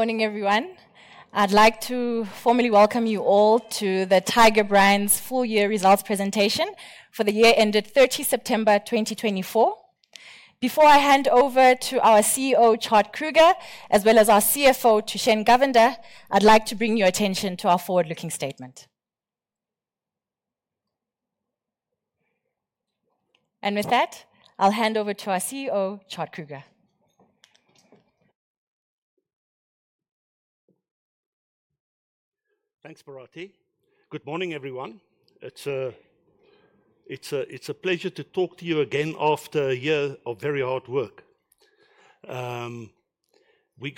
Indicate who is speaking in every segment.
Speaker 1: Morning, everyone. I'd like to formally welcome you all to the Tiger Brands full-year results presentation for the year ended 30 September 2024. Before I hand over to our CEO, Tjaart Kruger, as well as our CFO, Thushen Govender, I'd like to bring your attention to our forward-looking statement, and with that, I'll hand over to our CEO, Tjaart Kruger.
Speaker 2: Thanks, Barati. Good morning, everyone. It's a pleasure to talk to you again after a year of very hard work. We've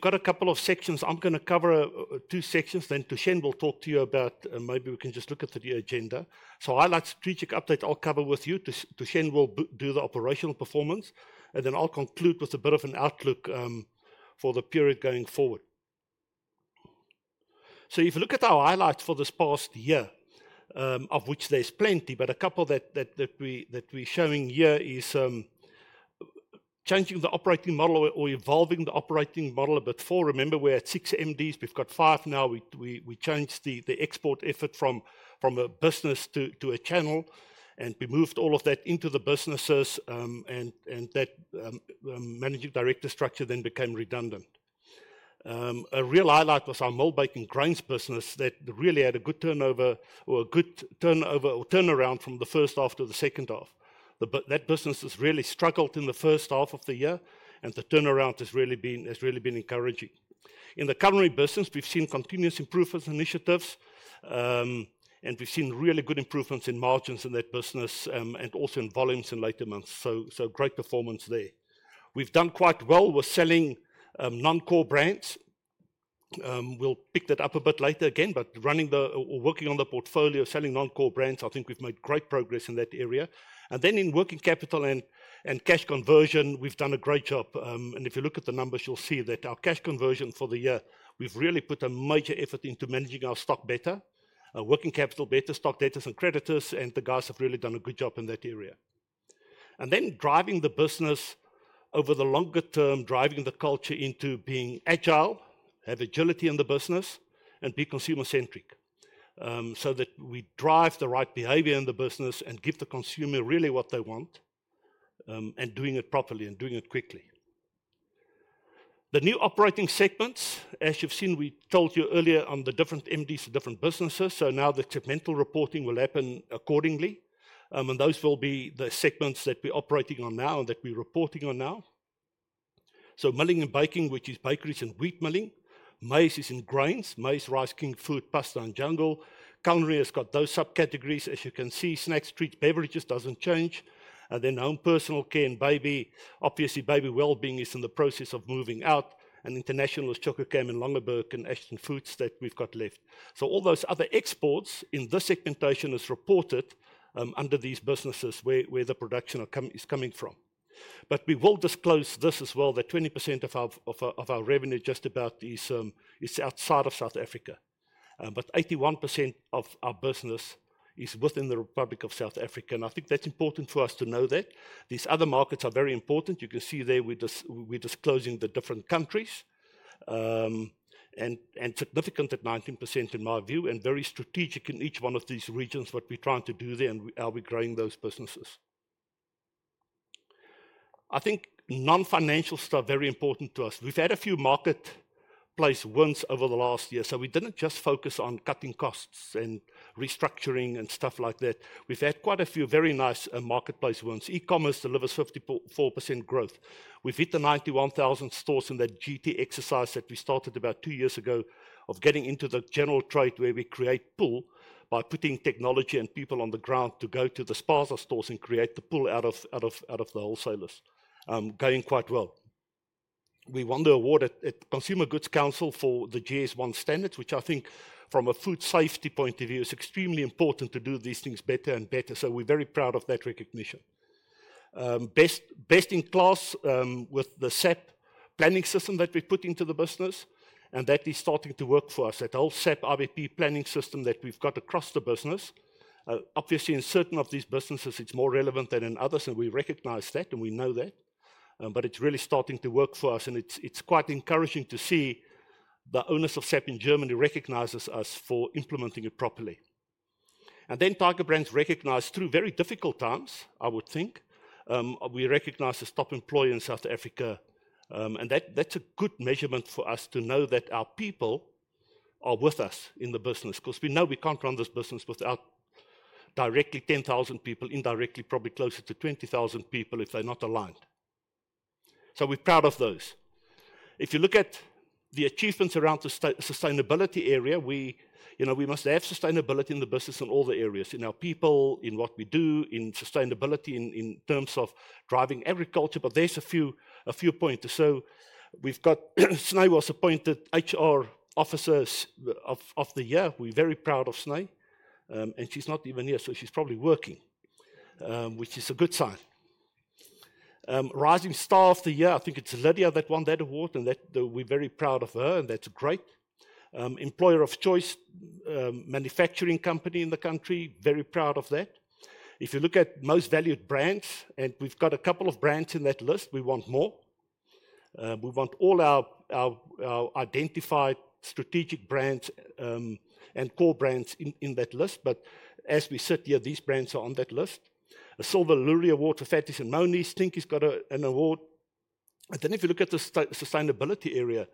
Speaker 2: got a couple of sections. I'm going to cover two sections, then Thushen will talk to you about, and maybe we can just look at the agenda. So highlights, strategic updates I'll cover with you. Thushen will do the operational performance, and then I'll conclude with a bit of an outlook for the period going forward. So if you look at our highlights for this past year, of which there's plenty, but a couple that we're showing here is changing the operating model or evolving the operating model a bit forward. Remember, we're at six MDs. We've got five now. We changed the export effort from a business to a channel, and we moved all of that into the businesses, and that managing director structure then became redundant. A real highlight was our milled baking grains business that really had a good turnover or a good turnaround from the first half to the second half. That business has really struggled in the first half of the year, and the turnaround has really been encouraging. In the Culinary business, we've seen continuous improvement initiatives, and we've seen really good improvements in margins in that business and also in volumes in later months, so great performance there. We've done quite well with selling non-core brands. We'll pick that up a bit later again, but working on the portfolio, selling non-core brands, I think we've made great progress in that area, and then in working capital and cash conversion, we've done a great job. And if you look at the numbers, you'll see that our cash conversion for the year. We've really put a major effort into managing our stock better, working capital better, stock debtors and creditors, and the guys have really done a good job in that area. And then driving the business over the longer term, driving the culture into being agile, have agility in the business, and be consumer-centric so that we drive the right behavior in the business and give the consumer really what they want and doing it properly and doing it quickly. The new operating segments, as you've seen, we told you earlier on the different MDs for different businesses. So now the segmental reporting will happen accordingly, and those will be the segments that we're operating on now and that we're reporting on now. So Milling and Baking, which is bakeries and wheat milling. Maize is in Grains, maize, rice, King Korn, pasta, and Jungle. Culinary has got those subcategories, as you can see, Snacks, Treats, and Beverages doesn't change, and then Home and Personal Care & Baby, obviously Baby Wellbeing is in the process of moving out, and international is Chococam and Langeberg & Ashton Foods that we've got left, so all those other exports in this segmentation is reported under these businesses where the production is coming from, but we will disclose this as well, that 20% of our revenue just about is outside of South Africa, but 81% of our business is within the Republic of South Africa, and I think that's important for us to know that. These other markets are very important. You can see there we're disclosing the different countries and significant at 19% in my view and very strategic in each one of these regions what we're trying to do there and how we're growing those businesses. I think non-financial stuff is very important to us. We've had a few marketplace wins over the last year, so we didn't just focus on cutting costs and restructuring and stuff like that. We've had quite a few very nice marketplace wins. E-commerce delivers 54% growth. We've hit the 91,000 stores in that GT exercise that we started about two years ago of getting into the general trade where we create pull by putting technology and people on the ground to go to the SPAR stores and create the pull out of the wholesalers. Going quite well. We won the award at Consumer Goods Council for the GS1 standards, which I think from a food safety point of view is extremely important to do these things better and better. So we're very proud of that recognition. Best in Class with the SAP planning system that we've put into the business, and that is starting to work for us. That whole SAP IBP planning system that we've got across the business. Obviously, in certain of these businesses, it's more relevant than in others, and we recognize that and we know that, but it's really starting to work for us, and it's quite encouraging to see the owners of SAP in Germany recognize us for implementing it properly. Tiger Brands, recognized through very difficult times, I would think, we recognize as Top Employer in South Africa, and that's a good measurement for us to know that our people are with us in the business because we know we can't run this business without directly 10,000 people, indirectly probably closer to 20,000 people if they're not aligned. We're proud of those. If you look at the achievements around the sustainability area, we must have sustainability in the business in all the areas, in our people, in what we do, in sustainability in terms of driving agriculture, but there's a few points. We've got S'ne appointed as CHRO of the Year. We're very proud of S'ne, and she's not even here, so she's probably working, which is a good sign. Rising Star of the Year, I think it's Lydia that won that award, and we're very proud of her, and that's great. Employer of Choice, manufacturing company in the country, very proud of that. If you look at Most Valued Brands, and we've got a couple of brands in that list, we want more. We want all our identified strategic brands and core brands in that list, but as we sit here, these brands are on that list. Silver Loerie Award to Fatti's & Moni's think he's got an award, and then if you look at the sustainability area,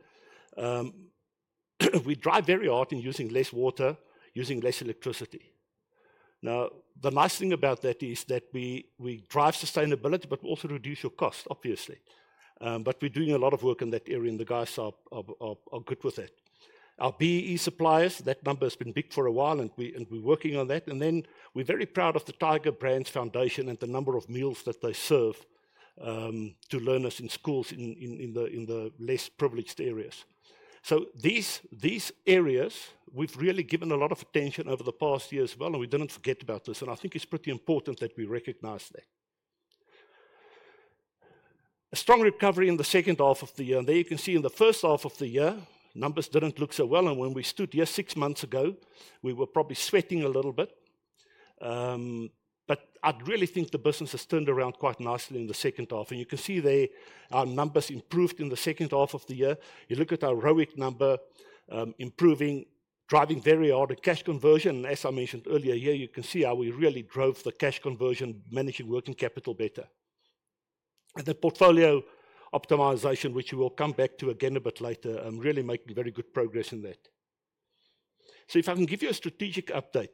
Speaker 2: we drive very hard in using less water, using less electricity. Now, the nice thing about that is that we drive sustainability, but we also reduce your cost, obviously, but we're doing a lot of work in that area, and the guys are good with it. Our BEE suppliers, that number has been big for a while, and we're working on that. Then we're very proud of the Tiger Brands Foundation and the number of meals that they serve to learners in schools in the less privileged areas. These areas, we've really given a lot of attention over the past year as well, and we didn't forget about this, and I think it's pretty important that we recognize that. A strong recovery in the second half of the year. There you can see in the first half of the year, numbers didn't look so well, and when we stood here six months ago, we were probably sweating a little bit. I really think the business has turned around quite nicely in the second half, and you can see there our numbers improved in the second half of the year. You look at our ROIC number, improving, driving very hard at cash conversion. And as I mentioned earlier here, you can see how we really drove the cash conversion, managing working capital better. And the portfolio optimization, which we will come back to again a bit later, really making very good progress in that. So if I can give you a strategic update,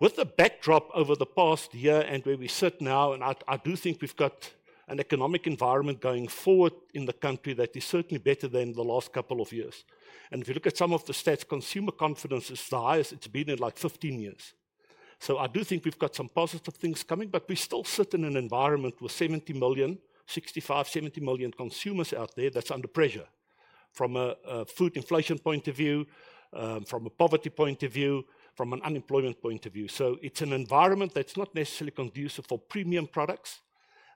Speaker 2: with the backdrop over the past year and where we sit now, and I do think we've got an economic environment going forward in the country that is certainly better than the last couple of years. And if you look at some of the stats, consumer confidence is the highest it's been in like 15 years. So I do think we've got some positive things coming, but we still sit in an environment with 65, 70 million consumers out there that's under pressure from a food inflation point of view, from a poverty point of view, from an unemployment point of view. So it's an environment that's not necessarily conducive for premium products.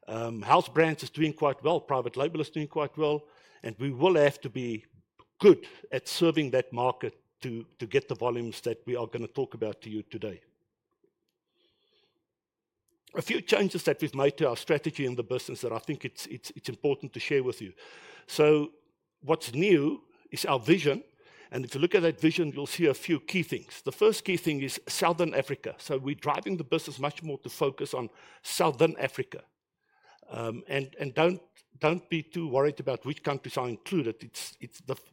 Speaker 2: House brands are doing quite well, private label is doing quite well, and we will have to be good at serving that market to get the volumes that we are going to talk about to you today. A few changes that we've made to our strategy in the business that I think it's important to share with you. So what's new is our vision, and if you look at that vision, you'll see a few key things. The first key thing is Southern Africa. So we're driving the business much more to focus on Southern Africa. And don't be too worried about which countries are included.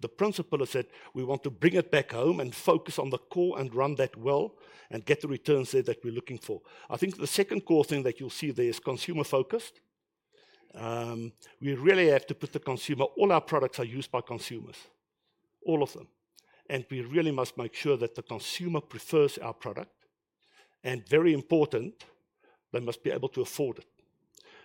Speaker 2: The principle is that we want to bring it back home and focus on the core and run that well and get the returns there that we're looking for. I think the second core thing that you'll see there is consumer-focused. We really have to put the consumer, all our products are used by consumers, all of them. And we really must make sure that the consumer prefers our product. And very important, they must be able to afford it.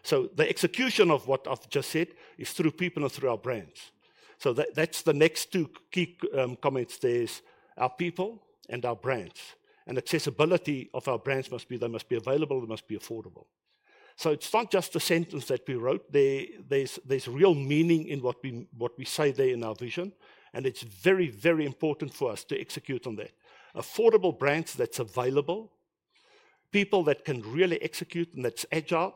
Speaker 2: So the execution of what I've just said is through people and through our brands. So that's the next two key comments: there's our people and our brands. And accessibility of our brands must be available. They must be affordable. So it's not just a sentence that we wrote. There's real meaning in what we say there in our vision, and it's very, very important for us to execute on that. Affordable brands that's available, people that can really execute and that's agile,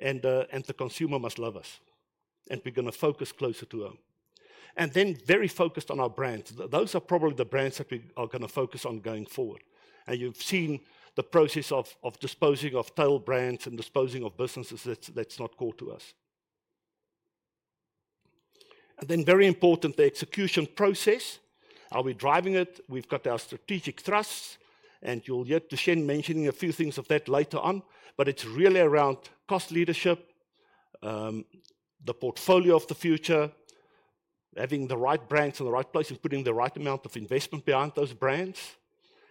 Speaker 2: and the consumer must love us, and we're going to focus closer to them. And then very focused on our brands. Those are probably the brands that we are going to focus on going forward. And you've seen the process of disposing of tail brands and disposing of businesses that's not core to us. And then very important, the execution process. Are we driving it? We've got our strategic thrusts, and you'll hear Thushen mentioning a few things of that later on, but it's really around cost leadership, the portfolio of the future, having the right brands in the right places, putting the right amount of investment behind those brands,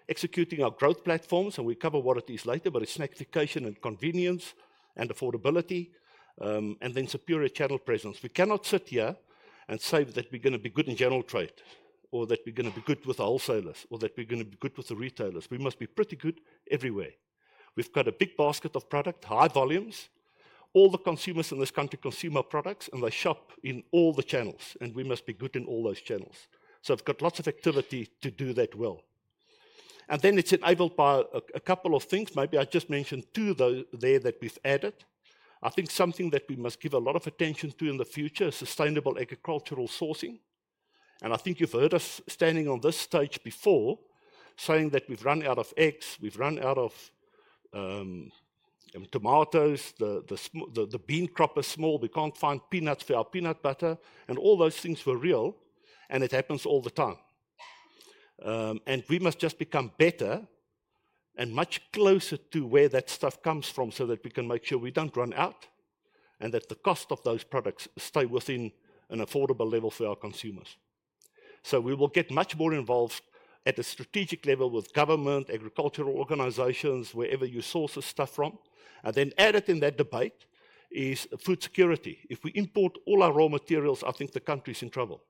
Speaker 2: executing our growth platforms, and we cover what it is later, but it's snackification and convenience and affordability, and then superior channel presence. We cannot sit here and say that we're going to be good in general trade or that we're going to be good with wholesalers or that we're going to be good with the retailers. We must be pretty good everywhere. We've got a big basket of product, high volumes. All the consumers in this country consume our products, and they shop in all the channels, and we must be good in all those channels. So we've got lots of activity to do that well. And then it's enabled by a couple of things. Maybe I just mentioned two there that we've added. I think something that we must give a lot of attention to in the future is sustainable agricultural sourcing. And I think you've heard us standing on this stage before saying that we've run out of eggs, we've run out of tomatoes, the bean crop is small, we can't find peanuts for our peanut butter, and all those things were real, and it happens all the time. And we must just become better and much closer to where that stuff comes from so that we can make sure we don't run out and that the cost of those products stay within an affordable level for our consumers. So we will get much more involved at a strategic level with government, agricultural organizations, wherever you source this stuff from. And then added in that debate is food security. If we import all our raw materials, I think the country's in trouble.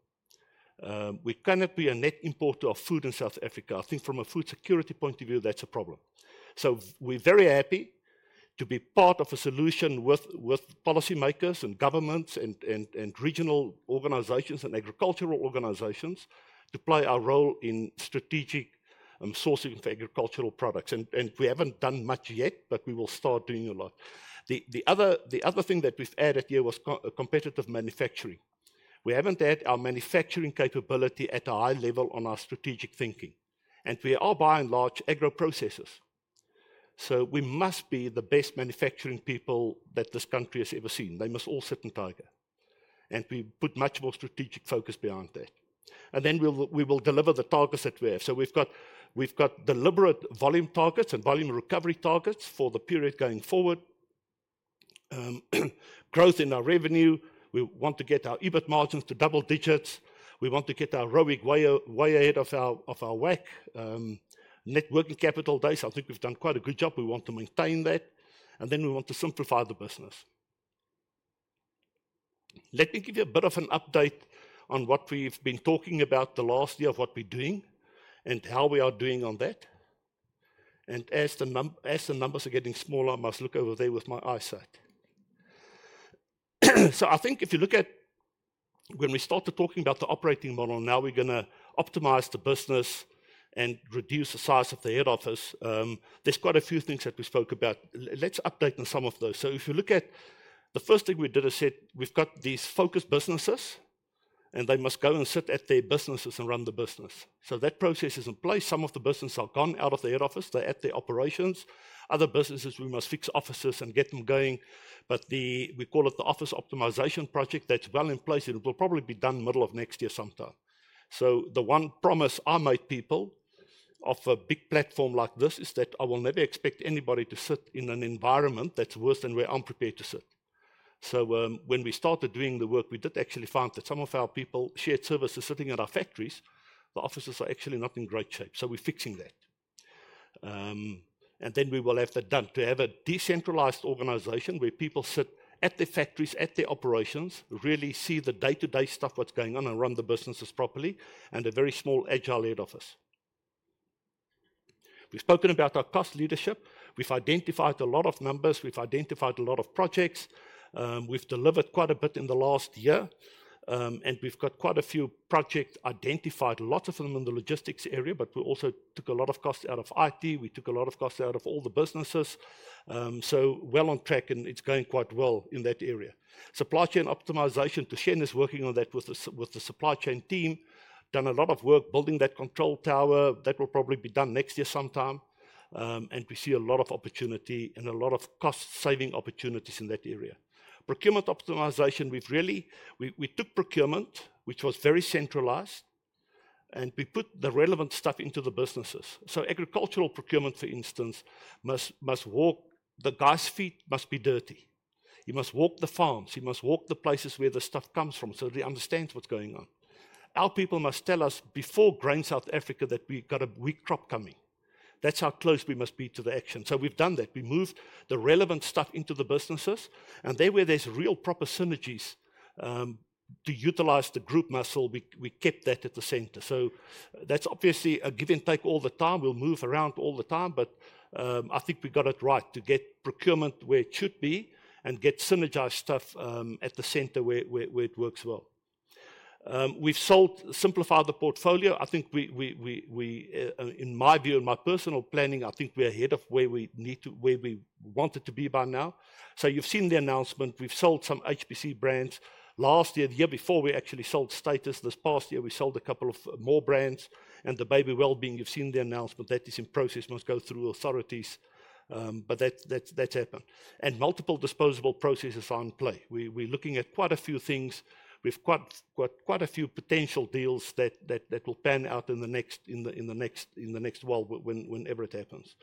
Speaker 2: We cannot be a net importer of food in South Africa. I think from a food security point of view, that's a problem. So we're very happy to be part of a solution with policymakers and governments and regional organizations and agricultural organizations to play our role in strategic sourcing for agricultural products. And we haven't done much yet, but we will start doing a lot. The other thing that we've added here was competitive manufacturing. We haven't had our manufacturing capability at a high level on our strategic thinking, and we are by and large agro processors. So we must be the best manufacturing people that this country has ever seen. They must all sit in Tiger. And we put much more strategic focus behind that. And then we will deliver the targets that we have. So we've got deliberate volume targets and volume recovery targets for the period going forward. Growth in our revenue. We want to get our EBIT margins to double digits. We want to get our ROIC way ahead of our WACC net working capital days. I think we've done quite a good job. We want to maintain that. And then we want to simplify the business. Let me give you a bit of an update on what we've been talking about the last year of what we're doing and how we are doing on that. And as the numbers are getting smaller, I must look over there with my eyesight. I think if you look at when we started talking about the operating model and how we're going to optimize the business and reduce the size of the head office, there's quite a few things that we spoke about. Let's update on some of those. If you look at the first thing we did is said we've got these focus businesses, and they must go and sit at their businesses and run the business. That process is in place. Some of the businesses are gone out of the head office. They're at their operations. Other businesses, we must fit offices and get them going, but we call it the office optimization project. That's well in place, and it will probably be done middle of next year sometime. The one promise I made to people of a big platform like this is that I will never expect anybody to sit in an environment that's worse than where I'm prepared to sit. When we started doing the work, we did actually find that some of our people shared services sitting in our factories. The offices are actually not in great shape, so we're fixing that, and then we will have that done. To have a decentralized organization where people sit at their factories, at their operations, really see the day-to-day stuff, what's going on, and run the businesses properly, and a very small agile head office. We have spoken about our cost leadership. We have identified a lot of numbers. We have identified a lot of projects. We've delivered quite a bit in the last year, and we've got quite a few projects identified, lots of them in the logistics area, but we also took a lot of costs out of IT. We took a lot of costs out of all the businesses. So well on track, and it's going quite well in that area. Supply chain optimization, Thushen is working on that with the supply chain team. We've done a lot of work building that Control Tower. That will probably be done next year sometime, and we see a lot of opportunity and a lot of cost-saving opportunities in that area. Procurement optimization, we took procurement, which was very centralized, and we put the relevant stuff into the businesses. So agricultural procurement, for instance, must walk, the guy's feet must be dirty. He must walk the farms. He must walk the places where the stuff comes from so that he understands what's going on. Our people must tell us before Grain South Africa that we've got a weak crop coming. That's how close we must be to the action. So we've done that. We moved the relevant stuff into the businesses, and there where there's real proper synergies to utilize the group muscle, we kept that at the center. So that's obviously a give and take all the time. We'll move around all the time, but I think we got it right to get procurement where it should be and get synergized stuff at the center where it works well. We've simplified the portfolio. I think, in my view, in my personal planning, I think we're ahead of where we wanted to be by now. So you've seen the announcement. We've sold some HPC brands last year. The year before, we actually sold Status. This past year, we sold a couple of more brands. The Baby Wellbeing, you've seen the announcement. That is in process. It must go through authorities, but that's happened. Multiple disposal processes are in play. We're looking at quite a few things. We've got quite a few potential deals that will pan out in the next while whenever it happens.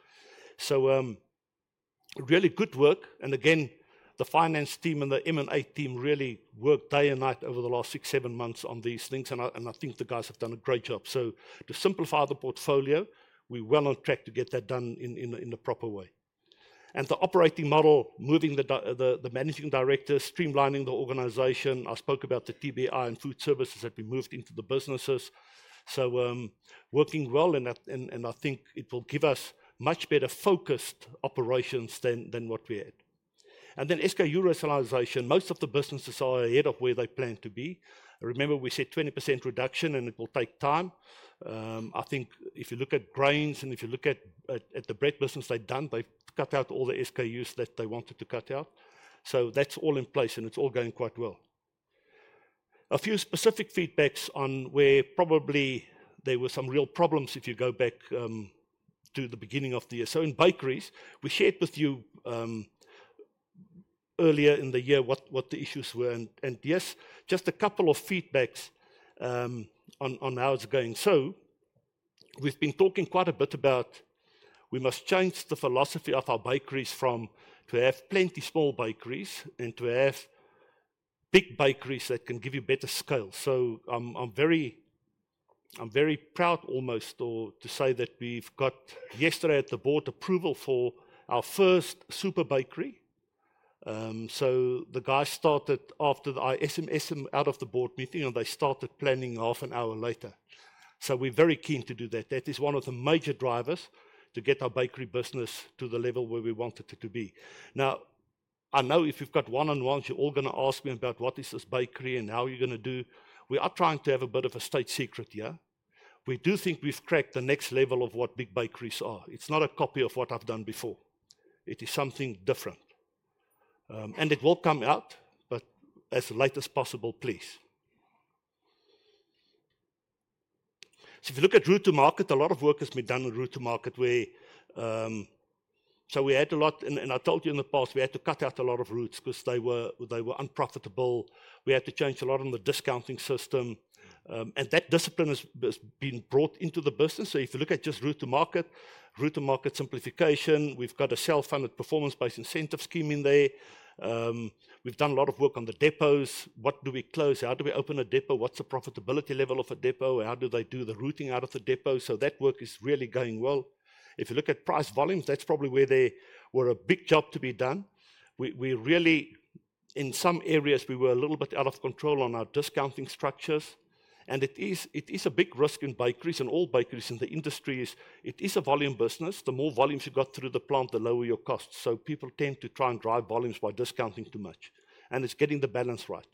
Speaker 2: Really good work. Again, the finance team and the M&A team really worked day and night over the last six, seven months on these things, and I think the guys have done a great job. To simplify the portfolio, we're well on track to get that done in the proper way. The operating model, moving the managing director, streamlining the organization. I spoke about the TBI and Food Services that we moved into the businesses. So, working well, and I think it will give us much better focused operations than what we had. And then SKU realization. Most of the businesses are ahead of where they plan to be. Remember, we said 20% reduction, and it will take time. I think if you look at Grains and if you look at the bread business they've done. They've cut out all the SKUs that they wanted to cut out. So that's all in place, and it's all going quite well. A few specific feedbacks on where probably there were some real problems if you go back to the beginning of the year. So in bakeries, we shared with you earlier in the year what the issues were. And yes, just a couple of feedbacks on how it's going. So we've been talking quite a bit about we must change the philosophy of our bakeries from to have plenty of small bakeries and to have big bakeries that can give you better scale. So I'm very proud almost to say that we've got yesterday at the Board approval for our first Super Bakery. So the guys started after the SMS out of the Board meeting, and they started planning half an hour later. So we're very keen to do that. That is one of the major drivers to get our bakery business to the level where we want it to be. Now, I know if you've got one-on-ones, you're all going to ask me about what is this bakery and how are you going to do. We are trying to have a bit of a state secret here. We do think we've cracked the next level of what big bakeries are. It's not a copy of what I've done before. It is something different, and it will come out, but as late as possible, please. So if you look at route to market, a lot of work has been done in route to market, where so we had a lot, and I told you in the past, we had to cut out a lot of routes because they were unprofitable. We had to change a lot on the discounting system, and that discipline has been brought into the business. So if you look at just route to market, route to market simplification, we've got a self-funded performance-based incentive scheme in there. We've done a lot of work on the depots. What do we close? How do we open a depot? What's the profitability level of a depot? How do they do the routing out of the depot? So that work is really going well. If you look at price volumes, that's probably where there were a big job to be done. In some areas, we were a little bit out of control on our discounting structures. And it is a big risk in bakeries and all bakeries in the industry is. It is a volume business. The more volumes you've got through the plant, the lower your costs. So people tend to try and drive volumes by discounting too much. And it's getting the balance right.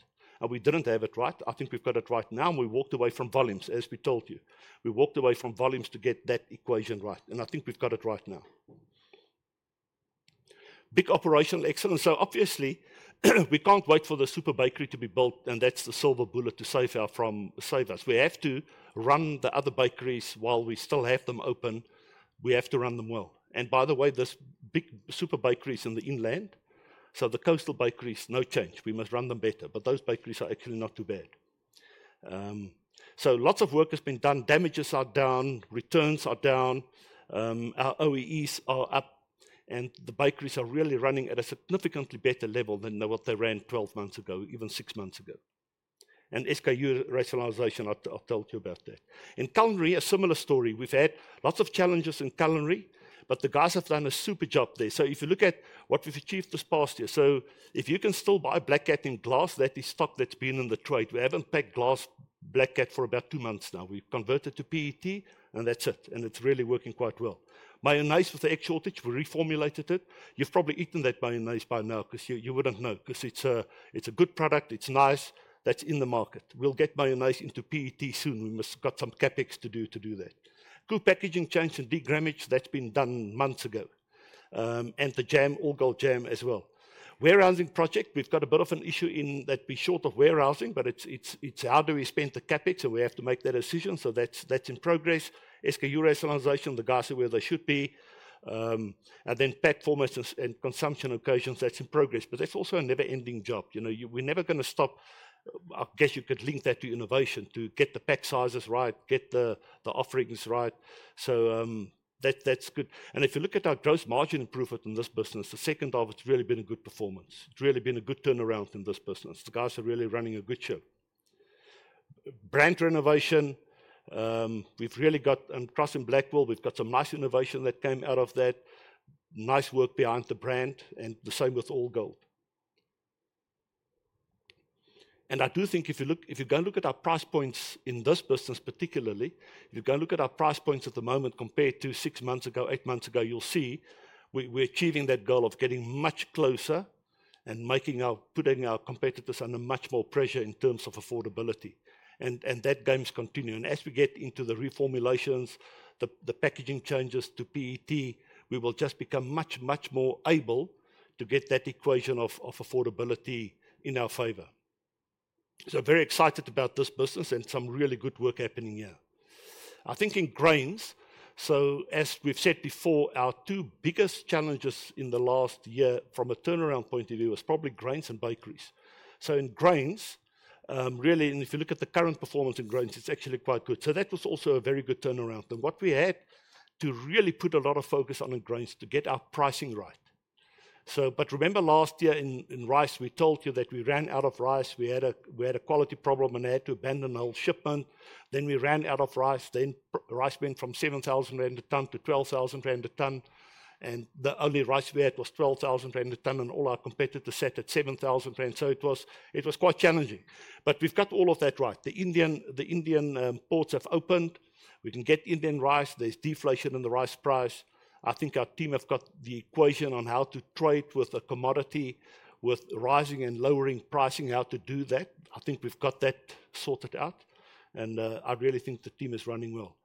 Speaker 2: And we didn't have it right. I think we've got it right now, and we walked away from volumes, as we told you. We walked away from volumes to get that equation right. And I think we've got it right now. Big operational excellence. So obviously, we can't wait for the Super Bakery to be built, and that's the silver bullet to save us. We have to run the other bakeries while we still have them open. We have to run them well. And by the way, there's big Super Bakeries in the inland. So the coastal bakeries, no change. We must run them better. But those bakeries are actually not too bad. So lots of work has been done. Damages are down. Returns are down. Our OEEs are up, and the bakeries are really running at a significantly better level than what they ran 12 months ago, even six months ago. And SKU rationalization, I've told you about that. In Culinary, a similar story. We've had lots of challenges in Culinary, but the guys have done a super job there. So if you look at what we've achieved this past year, so if you can still buy Black Cat in glass, that is stuff that's been in the trade. We haven't packed glass Black Cat for about two months now. We've converted to PET, and that's it. And it's really working quite well. Mayonnaise with the egg shortage, we reformulated it. You've probably eaten that mayonnaise by now because you wouldn't know because it's a good product. It's nice. That's in the market. We'll get mayonnaise into PET soon. We must have got some CapEx to do that. Cool packaging change and degrammage. That's been done months ago. And the jam, All Gold jam as well. Warehousing project. We've got a bit of an issue in that we're short of warehousing, but it's how do we spend the CapEx, and we have to make that decision. So that's in progress. SKU rationalization, the guys are where they should be. And then pack formats and consumption occasions, that's in progress. But that's also a never-ending job. We're never going to stop. I guess you could link that to innovation, to get the pack sizes right, get the offerings right. So that's good. And if you look at our gross margin improvement in this business, the second half has really been a good performance. It's really been a good turnaround in this business. The guys are really running a good show. Brand renovation. We've really got Crosse & Blackwell, we've got some nice innovation that came out of that. Nice work behind the brand, and the same with All Gold. And I do think if you're going to look at our price points in this business particularly, if you're going to look at our price points at the moment compared to six months ago, eight months ago, you'll see we're achieving that goal of getting much closer and putting our competitors under much more pressure in terms of affordability. And that game's continuing. And as we get into the reformulations, the packaging changes to PET, we will just become much, much more able to get that equation of affordability in our favor. So very excited about this business and some really good work happening here. I think in Grains, so as we've said before, our two biggest challenges in the last year from a turnaround point of view was probably Grains and bakeries. So in Grains, really, and if you look at the current performance in Grains, it's actually quite good. So that was also a very good turnaround. And what we had to really put a lot of focus on in Grains to get our pricing right. But remember last year in rice, we told you that we ran out of rice. We had a quality problem, and I had to abandon all shipment. Then we ran out of rice. Then rice went from 7,000 rand a ton to 12,000 rand a ton. And the only rice we had was 12,000 rand a ton, and all our competitors sat at 7,000 rand. So it was quite challenging. But we've got all of that right. The Indian ports have opened. We can get Indian rice. There's deflation in the rice price. I think our team have got the equation on how to trade with a commodity, with rising and lowering pricing, how to do that. I think we've got that sorted out, and I really think the team is running well.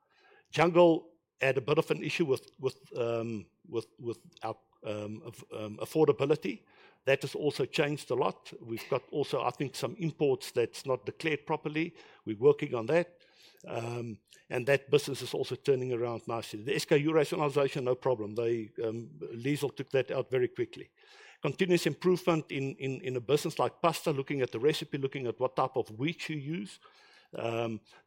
Speaker 2: Jungle had a bit of an issue with affordability. That has also changed a lot. We've got also, I think, some imports that's not declared properly. We're working on that, and that business is also turning around nicely. The SKU rationalization, no problem. Liezel took that out very quickly. Continuous improvement in a business like pasta, looking at the recipe, looking at what type of wheat you use.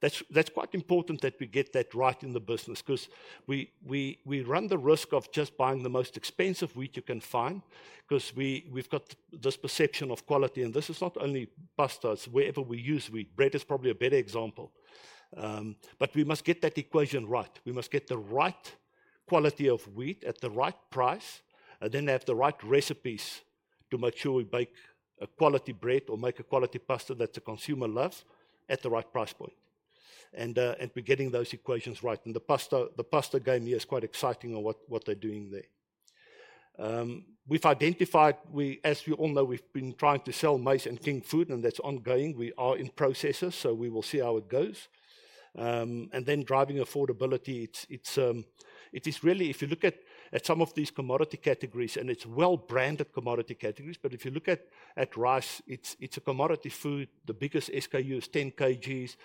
Speaker 2: That's quite important that we get that right in the business because we run the risk of just buying the most expensive wheat you can find because we've got this perception of quality, and this is not only pasta. Wherever we use wheat, bread is probably a better example. But we must get that equation right. We must get the right quality of wheat at the right price, and then have the right recipes to make sure we bake a quality bread or make a quality pasta that the consumer loves at the right price point. And we're getting those equations right. And the pasta game here is quite exciting on what they're doing there. We've identified, as we all know, we've been trying to sell maize and King Korn, and that's ongoing. We are in processes, so we will see how it goes. And then driving affordability, it is really, if you look at some of these commodity categories, and it's well-branded commodity categories, but if you look at rice, it's a commodity food. The biggest SKU is 10 kg.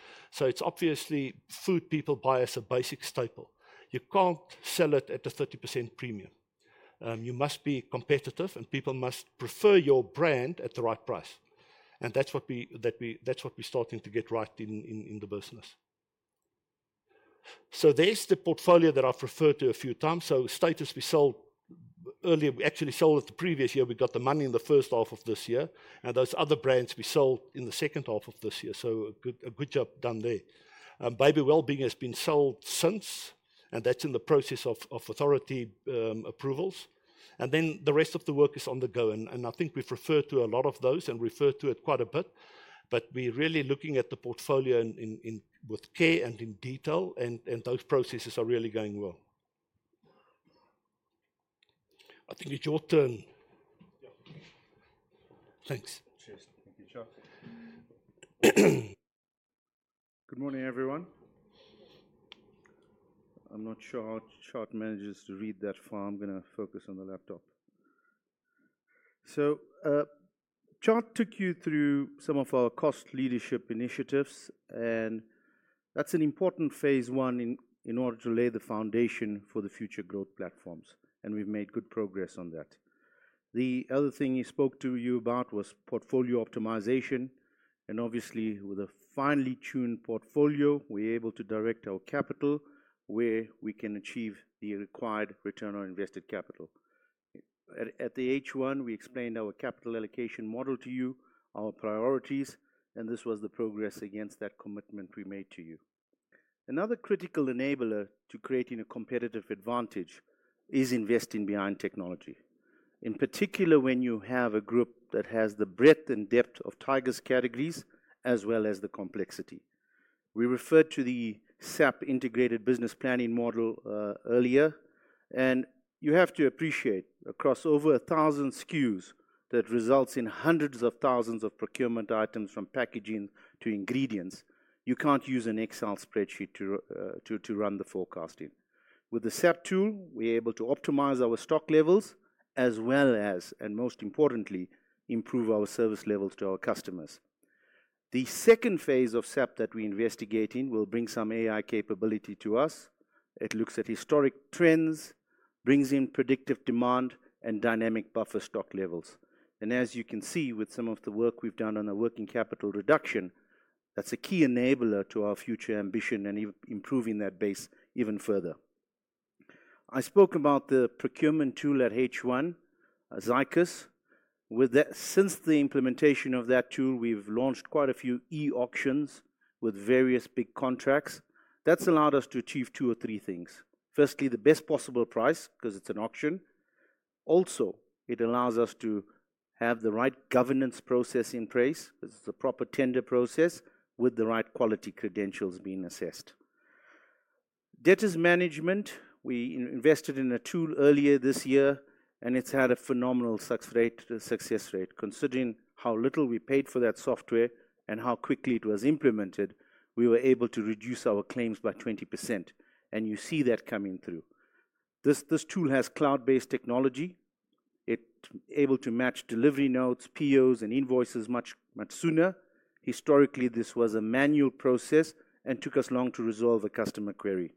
Speaker 2: It's obviously food people buy as a basic staple. You can't sell it at a 30% premium. You must be competitive, and people must prefer your brand at the right price. And that's what we're starting to get right in the business. So there's the portfolio that I've referred to a few times. So Status, we sold earlier. We actually sold it the previous year. We got the money in the first half of this year. And those other brands, we sold in the second half of this year. So a good job done there. Baby Wellbeing has been sold since, and that's in the process of authority approvals. And then the rest of the work is on the go. And I think we've referred to a lot of those and referred to it quite a bit. But we're really looking at the portfolio with care and in detail, and those processes are really going well. I think it's your turn.
Speaker 3: Thanks.
Speaker 2: Sure.
Speaker 3: Good morning, everyone. I'm not sure how Tjaart manages to read that from. I'm going to focus on the laptop. So Tjaart took you through some of our cost leadership initiatives, and that's an important phase one in order to lay the foundation for the future growth platforms. And we've made good progress on that. The other thing he spoke to you about was portfolio optimization. And obviously, with a finely tuned portfolio, we're able to direct our capital where we can achieve the required return on invested capital. At the H1, we explained our capital allocation model to you, our priorities, and this was the progress against that commitment we made to you. Another critical enabler to creating a competitive advantage is investing behind technology, in particular when you have a group that has the breadth and depth of Tiger's categories as well as the complexity. We referred to the SAP integrated business planning model earlier, and you have to appreciate across over a thousand SKUs that results in hundreds of thousands of procurement items from packaging to ingredients. You can't use an Excel spreadsheet to run the forecasting. With the SAP tool, we're able to optimize our stock levels as well as, and most importantly, improve our service levels to our customers. The second phase of SAP that we invest in will bring some AI capability to us. It looks at historic trends, brings in predictive demand, and dynamic buffer stock levels. As you can see with some of the work we've done on our working capital reduction, that's a key enabler to our future ambition and improving that base even further. I spoke about the procurement tool at H1, Zycus. Since the implementation of that tool, we've launched quite a few e-auctions with various big contracts. That's allowed us to achieve two or three things. Firstly, the best possible price because it's an auction. Also, it allows us to have the right governance process in place because it's a proper tender process with the right quality credentials being assessed. Debtors management, we invested in a tool earlier this year, and it's had a phenomenal success rate. Considering how little we paid for that software and how quickly it was implemented, we were able to reduce our claims by 20%. You see that coming through. This tool has cloud-based technology. It's able to match delivery notes, POs, and invoices much sooner. Historically, this was a manual process and took us long to resolve a customer query.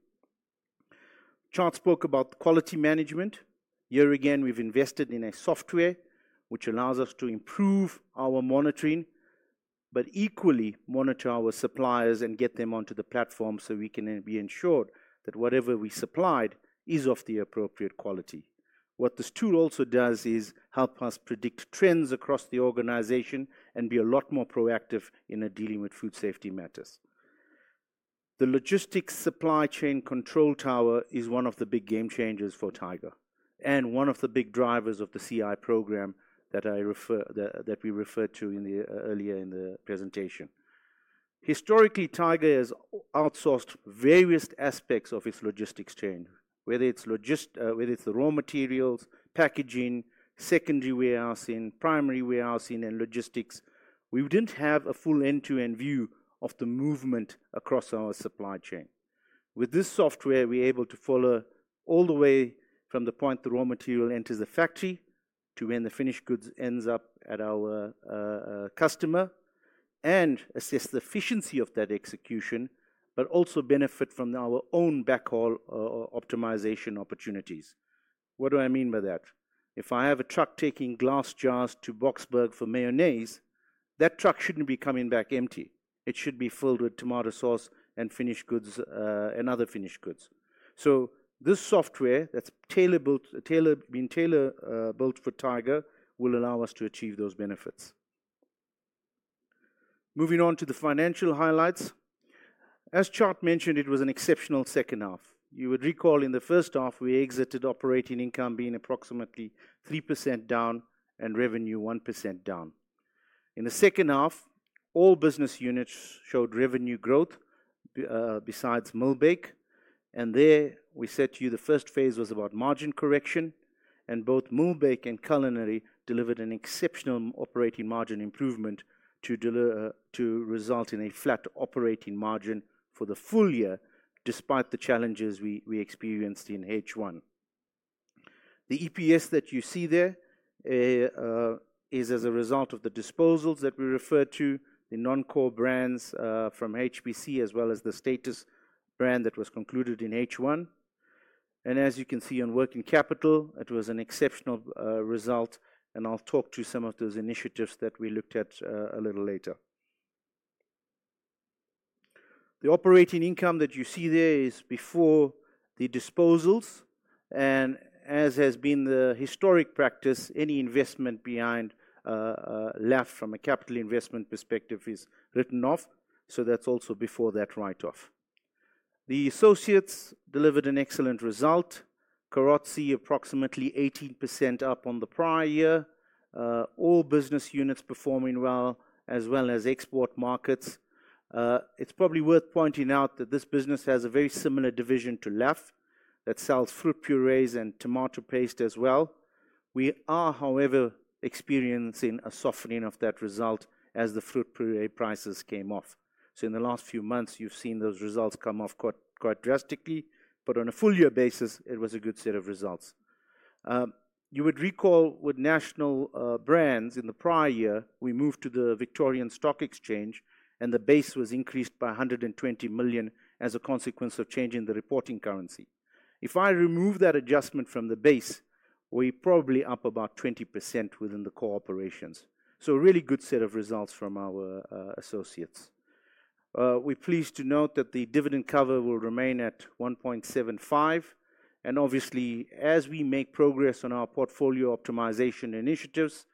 Speaker 3: Tjaart spoke about quality management. Here again, we've invested in a software which allows us to improve our monitoring, but equally monitor our suppliers and get them onto the platform so we can be ensured that whatever we supplied is of the appropriate quality. What this tool also does is help us predict trends across the organization and be a lot more proactive in dealing with food safety matters. The logistics supply chain control tower is one of the big game changers for Tiger and one of the big drivers of the CI program that we referred to earlier in the presentation. Historically, Tiger has outsourced various aspects of its logistics chain, whether it's the raw materials, packaging, secondary warehousing, primary warehousing, and logistics. We didn't have a full end-to-end view of the movement across our supply chain. With this software, we're able to follow all the way from the point the raw material enters the factory to when the finished goods ends up at our customer and assess the efficiency of that execution, but also benefit from our own backhaul optimization opportunities. What do I mean by that? If I have a truck taking glass jars to Boksburg for mayonnaise, that truck shouldn't be coming back empty. It should be filled with tomato sauce and finished goods and other finished goods. So this software that's been tailor-built for Tiger will allow us to achieve those benefits. Moving on to the financial highlights. As Tjaart mentioned, it was an exceptional second half. You would recall in the first half, we exited operating income being approximately 3% down and revenue 1% down. In the second half, all business units showed revenue growth besides MillBake. There we said to you the first phase was about margin correction, and both MillBake and Culinary delivered an exceptional operating margin improvement to result in a flat operating margin for the full year despite the challenges we experienced in H1. The EPS that you see there is as a result of the disposals that we referred to, the non-core brands from HPC as well as the Status brand that was concluded in H1. As you can see on working capital, it was an exceptional result, and I'll talk to some of those initiatives that we looked at a little later. The operating income that you see there is before the disposals. As has been the historic practice, any investment behind LAF from a capital investment perspective is written off. So that's also before that write-off. The associates delivered an excellent result. Carozzi, approximately 18% up on the prior year. All business units performing well as well as export markets. It's probably worth pointing out that this business has a very similar division to LAF that sells fruit purees and tomato paste as well. We are, however, experiencing a softening of that result as the fruit puree prices came off. So in the last few months, you've seen those results come off quite drastically. But on a full-year basis, it was a good set of results. You would recall with national brands in the prior year, we moved to the Victoria Falls Stock Exchange, and the base was increased by 120 million as a consequence of changing the reporting currency. If I remove that adjustment from the base, we're probably up about 20% within the core operations. So a really good set of results from our associates. We're pleased to note that the dividend cover will remain at 1.75. And obviously, as we make progress on our portfolio optimization initiatives,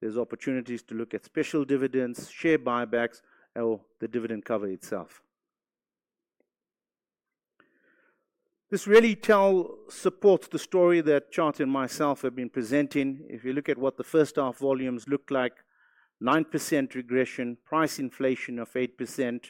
Speaker 3: there's opportunities to look at special dividends, share buybacks, or the dividend cover itself. This really supports the story that Tjaart and myself have been presenting. If you look at what the first half volumes looked like, 9% regression, price inflation of 8%.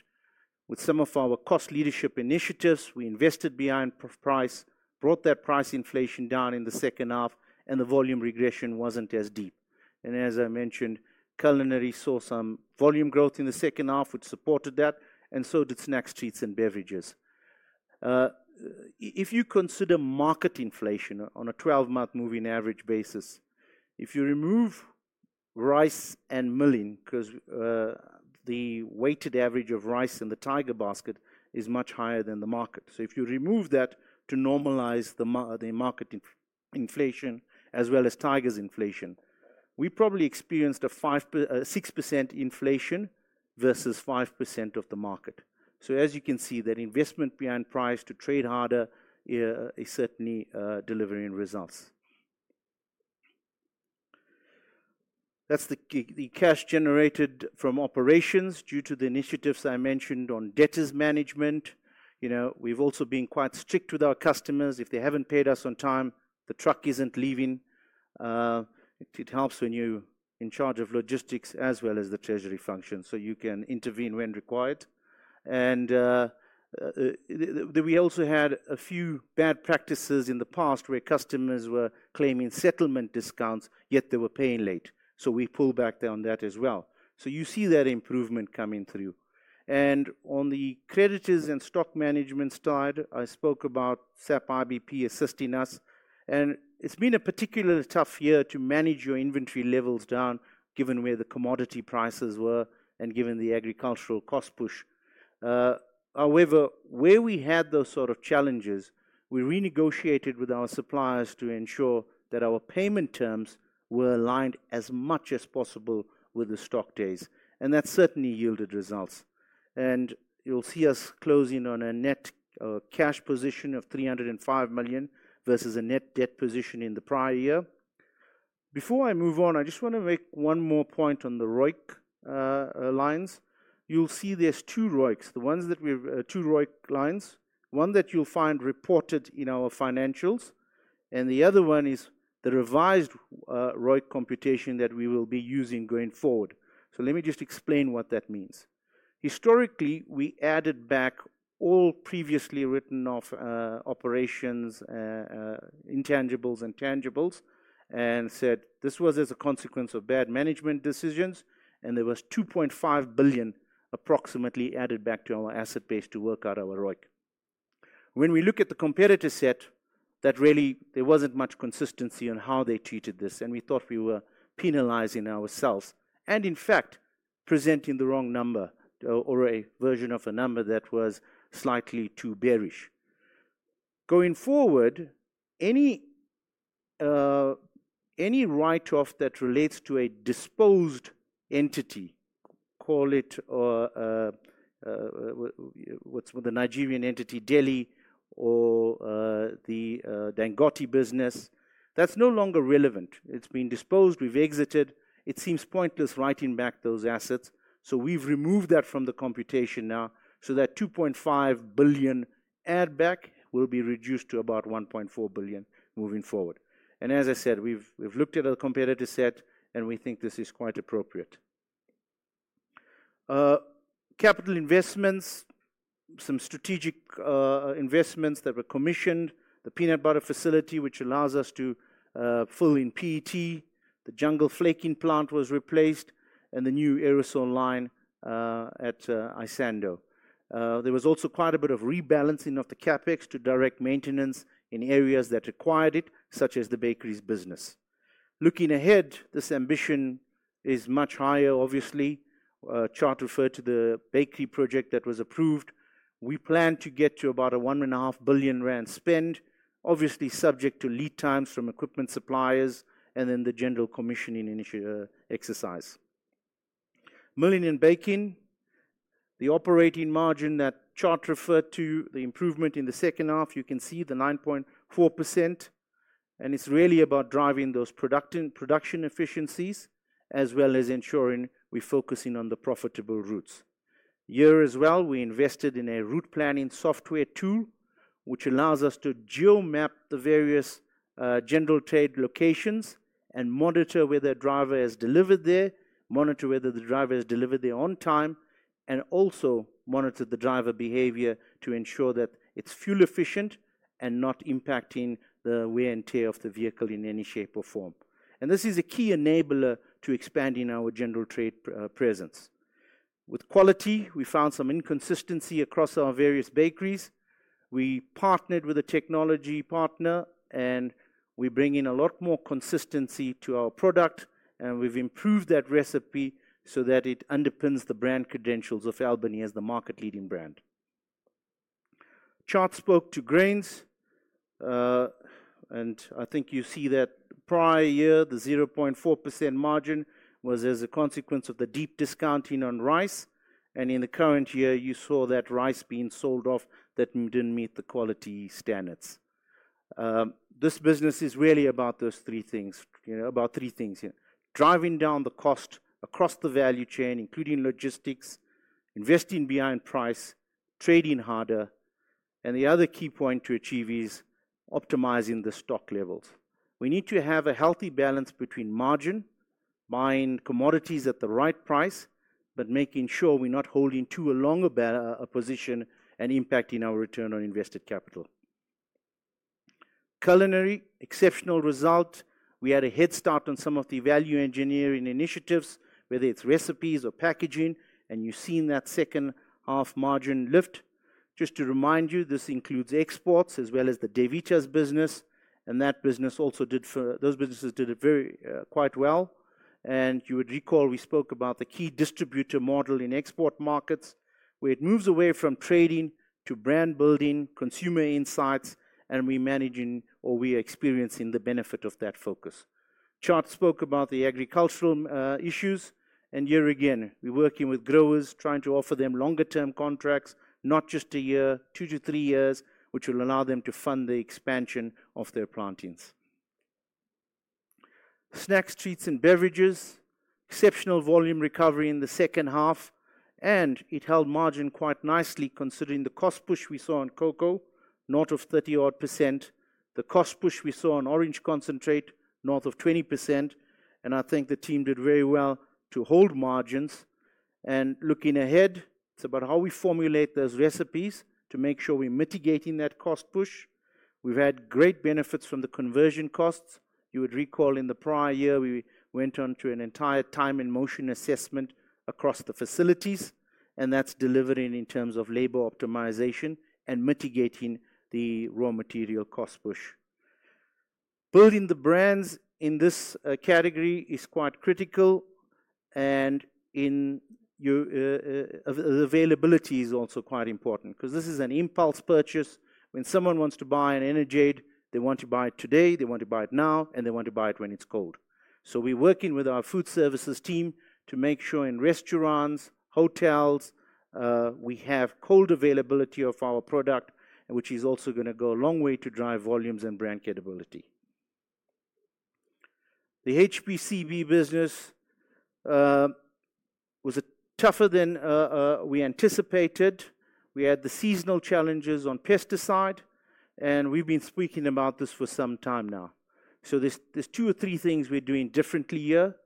Speaker 3: With some of our cost leadership initiatives, we invested behind price, brought that price inflation down in the second half, and the volume regression wasn't as deep. And as I mentioned, Culinary saw some volume growth in the second half, which supported that, and so did Snacks, Treats, and Beverages. If you consider market inflation on a 12-month moving average basis, if you remove rice and milling because the weighted average of rice in the Tiger basket is much higher than the market. So if you remove that to normalize the market inflation as well as Tiger's inflation, we probably experienced a 6% inflation versus 5% of the market. So as you can see, that investment behind price to trade harder is certainly delivering results. That's the cash generated from operations due to the initiatives I mentioned on debtors management. We've also been quite strict with our customers. If they haven't paid us on time, the truck isn't leaving. It helps when you're in charge of logistics as well as the treasury function so you can intervene when required. We also had a few bad practices in the past where customers were claiming settlement discounts, yet they were paying late. So we pulled back on that as well. So you see that improvement coming through. And on the creditors and stock management side, I spoke about SAP IBP assisting us. And it's been a particularly tough year to manage your inventory levels down given where the commodity prices were and given the agricultural cost push. However, where we had those sort of challenges, we renegotiated with our suppliers to ensure that our payment terms were aligned as much as possible with the stock days. And that certainly yielded results. And you'll see us closing on a net cash position of 305 million versus a net debt position in the prior year. Before I move on, I just want to make one more point on the ROIC lines. You'll see there's two ROICs, the ones that we have two ROIC lines, one that you'll find reported in our financials, and the other one is the revised ROIC computation that we will be using going forward. So let me just explain what that means. Historically, we added back all previously written off operations, intangibles, and tangibles, and said this was as a consequence of bad management decisions, and there was approximately 2.5 billion added back to our asset base to work out our ROIC. When we look at the competitor set, that really there wasn't much consistency on how they treated this, and we thought we were penalizing ourselves and, in fact, presenting the wrong number or a version of a number that was slightly too bearish. Going forward, any write-off that relates to a disposed entity, call it what's the Nigerian entity, Deli, or the Dangote business, that's no longer relevant. It's been disposed. We've exited. It seems pointless writing back those assets. So we've removed that from the computation now so that 2.5 billion add back will be reduced to about 1.4 billion moving forward. And as I said, we've looked at our competitor set, and we think this is quite appropriate. Capital investments, some strategic investments that were commissioned, the peanut butter facility, which allows us to fill in PET, the Jungle flaking plant was replaced, and the new aerosol line at Isando. There was also quite a bit of rebalancing of the CapEx to direct maintenance in areas that required it, such as the bakeries business. Looking ahead, this ambition is much higher, obviously. Tjaart referred to the bakery project that was approved. We plan to get to about a 1.5 billion rand spend, obviously subject to lead times from equipment suppliers and then the general commissioning exercise. Milling and Baking, the operating margin that Tjaart referred to, the improvement in the second half, you can see the 9.4%, and it's really about driving those production efficiencies as well as ensuring we're focusing on the profitable routes. Here as well, we invested in a route planning software tool, which allows us to geomap the various general trade locations and monitor whether driver has delivered there, monitor whether the driver has delivered there on time, and also monitor the driver behavior to ensure that it's fuel efficient and not impacting the wear and tear of the vehicle in any shape or form, and this is a key enabler to expanding our general trade presence. With quality, we found some inconsistency across our various bakeries. We partnered with a technology partner, and we bring in a lot more consistency to our product, and we've improved that recipe so that it underpins the brand credentials of Albany as the market-leading brand. That spoke to Grains, and I think you see that prior year, the 0.4% margin was as a consequence of the deep discounting on rice. And in the current year, you saw that rice being sold off that didn't meet the quality standards. This business is really about those three things, about three things here. Driving down the cost across the value chain, including logistics, investing behind price, trading harder. And the other key point to achieve is optimizing the stock levels. We need to have a healthy balance between margin, buying commodities at the right price, but making sure we're not holding too long a position and impacting our return on invested capital. Culinary, exceptional result. We had a head start on some of the value engineering initiatives, whether it's recipes or packaging, and you've seen that second half margin lift. Just to remind you, this includes exports as well as the Davita's business, and that business also did quite well. You would recall we spoke about the key distributor model in export markets, where it moves away from trading to brand building, consumer insights, and we managing or we are experiencing the benefit of that focus. Tjaart spoke about the agricultural issues, and here again, we're working with growers, trying to offer them longer-term contracts, not just a year, two to three years, which will allow them to fund the expansion of their plantings. Snacks, Treats, and Beverages, exceptional volume recovery in the second half, and it held margin quite nicely considering the cost push we saw in cocoa, north of 30-odd%. The cost push we saw on orange concentrate, north of 20%, and I think the team did very well to hold margins, and looking ahead, it's about how we formulate those recipes to make sure we're mitigating that cost push. We've had great benefits from the conversion costs. You would recall in the prior year, we went on to an entire time and motion assessment across the facilities, and that's delivering in terms of labor optimization and mitigating the raw material cost push. Building the brands in this category is quite critical, and the availability is also quite important because this is an impulse purchase. When someone wants to buy an Energade, they want to buy it today, they want to buy it now, and they want to buy it when it's cold. So we're working with our Food Services team to make sure in restaurants, hotels, we have cold availability of our product, which is also going to go a long way to drive volumes and brand credibility. The HPC business was tougher than we anticipated. We had the seasonal challenges on pesticide, and we've been speaking about this for some time now. So there's two or three things we're doing differently here,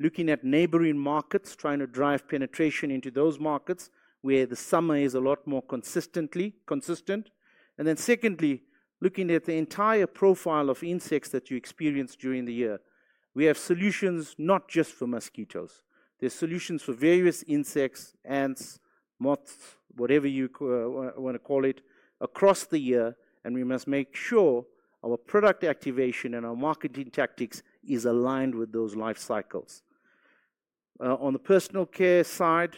Speaker 3: looking at neighboring markets, trying to drive penetration into those markets where the summer is a lot more consistent. And then secondly, looking at the entire profile of insects that you experience during the year. We have solutions not just for mosquitoes. There's solutions for various insects, ants, moths, whatever you want to call it, across the year, and we must make sure our product activation and our marketing tactics is aligned with those life cycles. On the personal care side,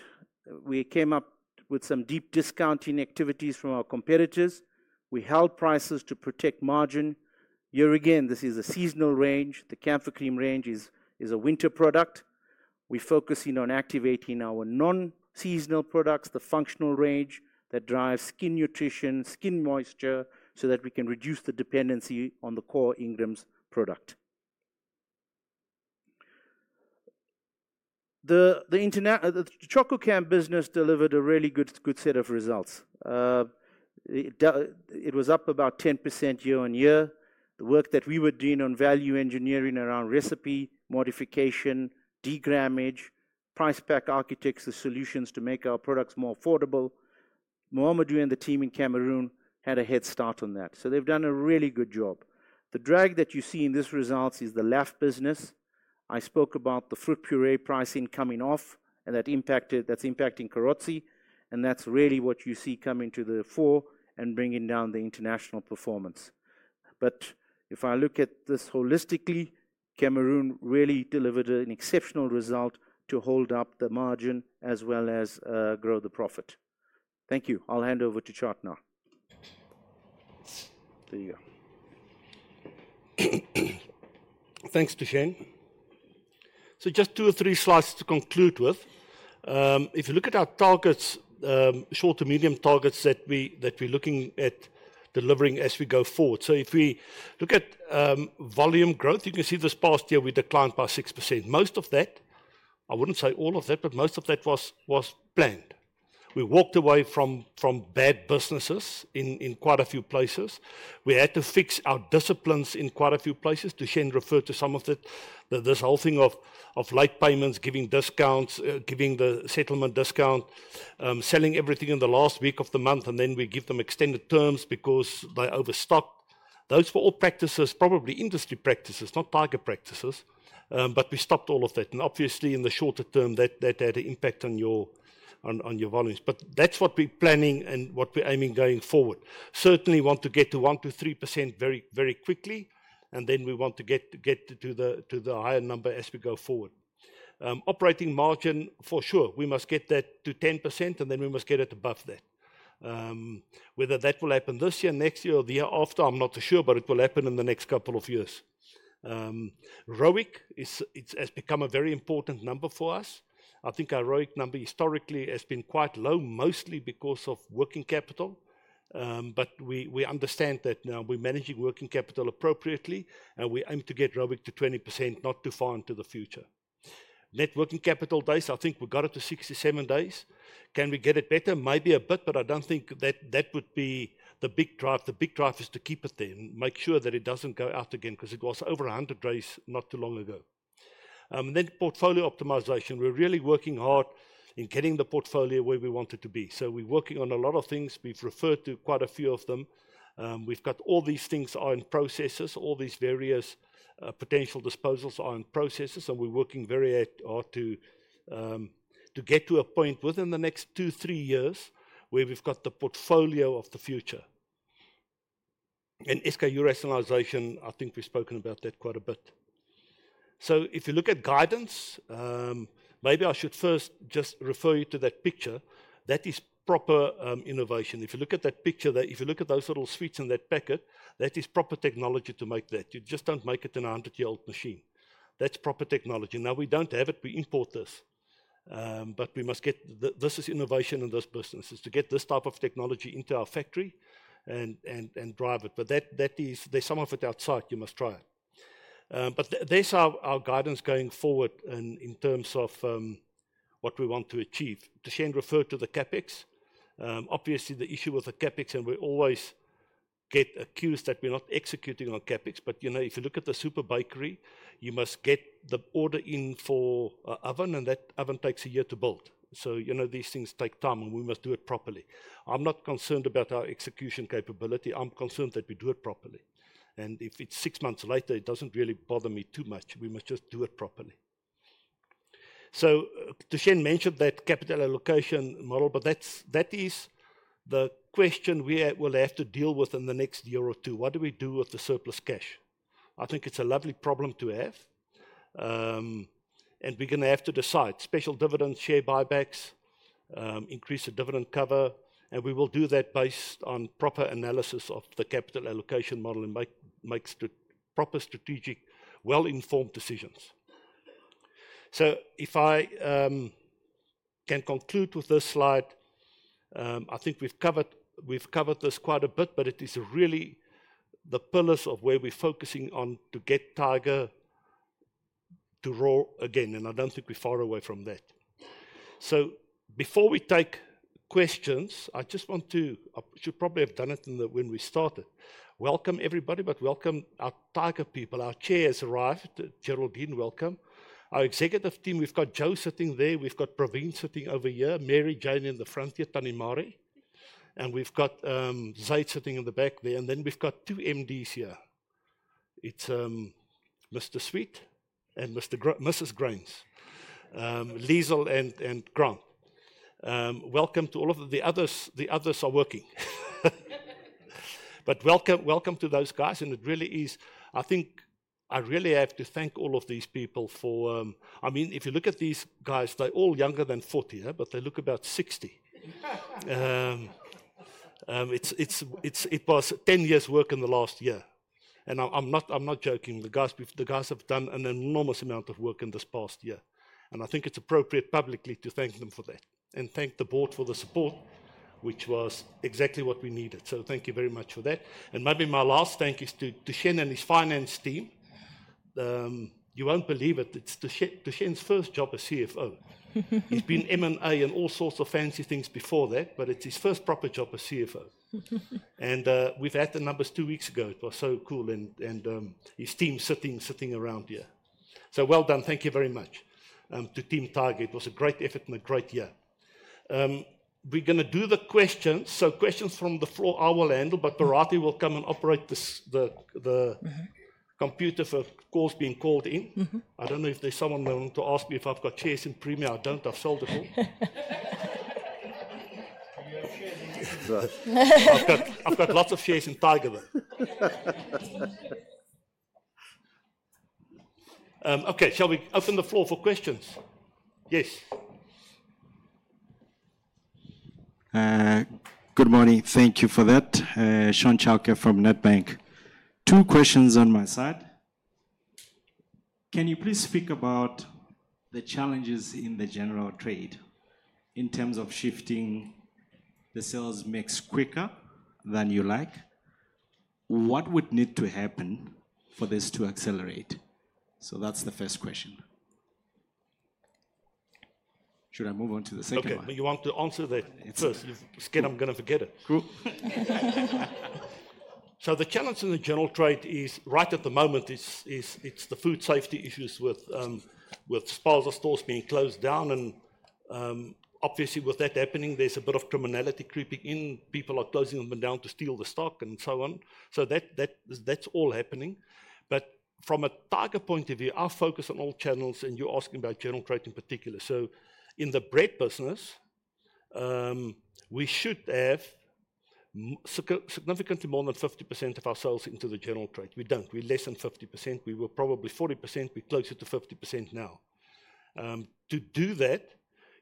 Speaker 3: we came up with some deep discounting activities from our competitors. We held prices to protect margin. Here again, this is a seasonal range. The Camphor Cream range is a winter product. We're focusing on activating our non-seasonal products, the functional range that drives skin nutrition, skin moisture, so that we can reduce the dependency on the core Ingram's product. The Chococam business delivered a really good set of results. It was up about 10% year on year. The work that we were doing on value engineering around recipe modification, degrammage, price-pack architecture, the solutions to make our products more affordable. Mohamedou and the team in Cameroon had a head start on that. So they've done a really good job. The drag that you see in this results is the LAF business. I spoke about the fruit puree pricing coming off, and that's impacting Carozzi, and that's really what you see coming to the fore and bringing down the international performance. But if I look at this holistically, Cameroon really delivered an exceptional result to hold up the margin as well as grow the profit. Thank you. I'll hand over to Tjaart now. There you go.
Speaker 2: Thanks to Thushen. So just two or three slides to conclude with. If you look at our targets, short to medium targets that we're looking at delivering as we go forward. So if we look at volume growth, you can see this past year we declined by 6%. Most of that, I wouldn't say all of that, but most of that was planned. We walked away from bad businesses in quite a few places. We had to fix our disciplines in quite a few places. Thushen referred to some of it, this whole thing of late payments, giving discounts, giving the settlement discount, selling everything in the last week of the month, and then we give them extended terms because they overstocked. Those were all practices, probably industry practices, not Tiger practices, but we stopped all of that. And obviously, in the shorter term, that had an impact on your volumes. But that's what we're planning and what we're aiming going forward. Certainly want to get to 1%-3% very, very quickly, and then we want to get to the higher number as we go forward. Operating margin, for sure, we must get that to 10%, and then we must get it above that. Whether that will happen this year, next year, or the year after, I'm not too sure, but it will happen in the next couple of years. ROIC has become a very important number for us. I think our ROIC number historically has been quite low, mostly because of working capital, but we understand that now we're managing working capital appropriately, and we aim to get ROIC to 20%, not too far into the future. Net working capital days, I think we got it to 67 days. Can we get it better? Maybe a bit, but I don't think that that would be the big drive. The big drive is to keep it there and make sure that it doesn't go out again because it was over 100 days not too long ago. And then portfolio optimization. We're really working hard in getting the portfolio where we want it to be. So we're working on a lot of things. We've referred to quite a few of them. We've got all these things on processes, all these various potential disposals on processes, and we're working very hard to get to a point within the next two, three years where we've got the portfolio of the future. And SKU rationalization, I think we've spoken about that quite a bit. So if you look at guidance, maybe I should first just refer you to that picture. That is proper innovation. If you look at that picture, if you look at those little sweets in that packet, that is proper technology to make that. You just don't make it in a 100-year-old machine. That's proper technology. Now, we don't have it. We import this. But this is innovation in those businesses to get this type of technology into our factory and drive it. But there's some of it outside. You must try it. But there's our guidance going forward in terms of what we want to achieve. Thushen referred to the CapEx. Obviously, the issue with the CapEx, and we always get accused that we're not executing on CapEx, but if you look at the Super Bakery, you must get the order in for an oven, and that oven takes a year to build. So these things take time, and we must do it properly. I'm not concerned about our execution capability. I'm concerned that we do it properly. And if it's six months later, it doesn't really bother me too much. We must just do it properly. Thushen mentioned that capital allocation model, but that is the question we will have to deal with in the next year or two. What do we do with the surplus cash? I think it's a lovely problem to have, and we're going to have to decide. Special dividends, share buybacks, increase the dividend cover, and we will do that based on proper analysis of the capital allocation model and make proper strategic, well-informed decisions. If I can conclude with this slide, I think we've covered this quite a bit, but it is really the pillars of where we're focusing on to get Tiger to roll again, and I don't think we're far away from that. Before we take questions, I just want to, I should probably have done it when we started. Welcome, everybody, but welcome our Tiger people. Our chairs arrived. Geraldine, welcome. Our executive team, we've got Jo sitting there. We've got Praveen sitting over here, Mary-Jane, and in the front here, Thabani Maree. And we've got Zayd sitting in the back there. And then we've got two MDs here. It's Mr. Sweet and Mrs. Grains, Liezel and Grant. Welcome to all of the others. The others are working. But welcome to those guys, and it really is, I think, I really have to thank all of these people for, I mean, if you look at these guys, they're all younger than 40, but they look about 60. It was 10 years' work in the last year. And I'm not joking. The guys have done an enormous amount of work in this past year. And I think it's appropriate publicly to thank them for that. And thank the board for the support, which was exactly what we needed. Thank you very much for that. And maybe my last thank you is to Thushen and his finance team. You won't believe it. Thushen's first job as CFO. He's been M&A and all sorts of fancy things before that, but it's his first proper job as CFO. And we've had the numbers two weeks ago. It was so cool. And his team sitting around here. So well done. Thank you very much to Team Tiger. It was a great effort and a great year. We're going to do the questions. So questions from the floor, I will handle, but Barati will come and operate the computer for calls being called in. I don't know if there's someone who wants to ask me if I've got shares in Premier. I don't. I've sold it all. I've got lots of shares in Tiger, though. Okay, shall we open the floor for questions? Yes.
Speaker 4: Good morning. Thank you for that. Shaun Chauke from Nedbank. Two questions on my side. Can you please speak about the challenges in the general trade in terms of shifting the sales mix quicker than you like? What would need to happen for this to accelerate? So that's the first question. Should I move on to the second one?
Speaker 2: Okay, but you want to answer that first. You're scared I'm going to forget it. So the challenge in the general trade is, right at the moment, it's the food safety issues with scores of stores being closed down. And obviously, with that happening, there's a bit of criminality creeping in. People are closing them down to steal the stock and so on. So that's all happening. But from a Tiger point of view, our focus on all channels, and you're asking about general trade in particular. So in the bread business, we should have significantly more than 50% of our sales into the general trade. We don't. We're less than 50%. We were probably 40%. We're closer to 50% now. To do that,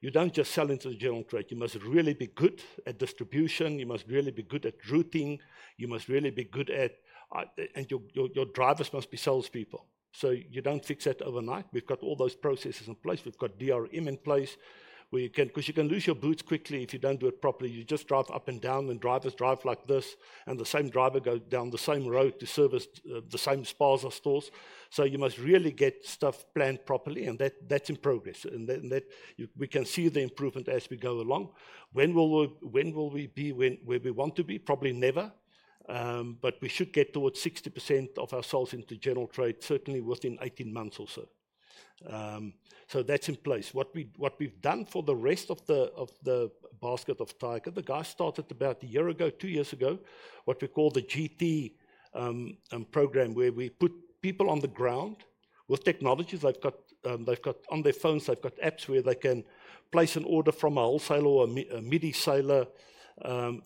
Speaker 2: you don't just sell into the general trade. You must really be good at distribution. You must really be good at routing. You must really be good at, and your drivers must be salespeople. So you don't fix that overnight. We've got all those processes in place. We've got DRM in place where you can, because you can lose your boots quickly if you don't do it properly. You just drive up and down, and drivers drive like this, and the same driver goes down the same road to service the same stable of stores. So you must really get stuff planned properly, and that's in progress. We can see the improvement as we go along. When will we be where we want to be? Probably never. But we should get towards 60% of our sales into general trade, certainly within 18 months or so. So that's in place. What we've done for the rest of the basket of Tiger, the guys started about a year ago, two years ago, what we call the GT program, where we put people on the ground with technologies. They've got on their phones; they've got apps where they can place an order from a wholesaler or a mid seller. They can place an order on, or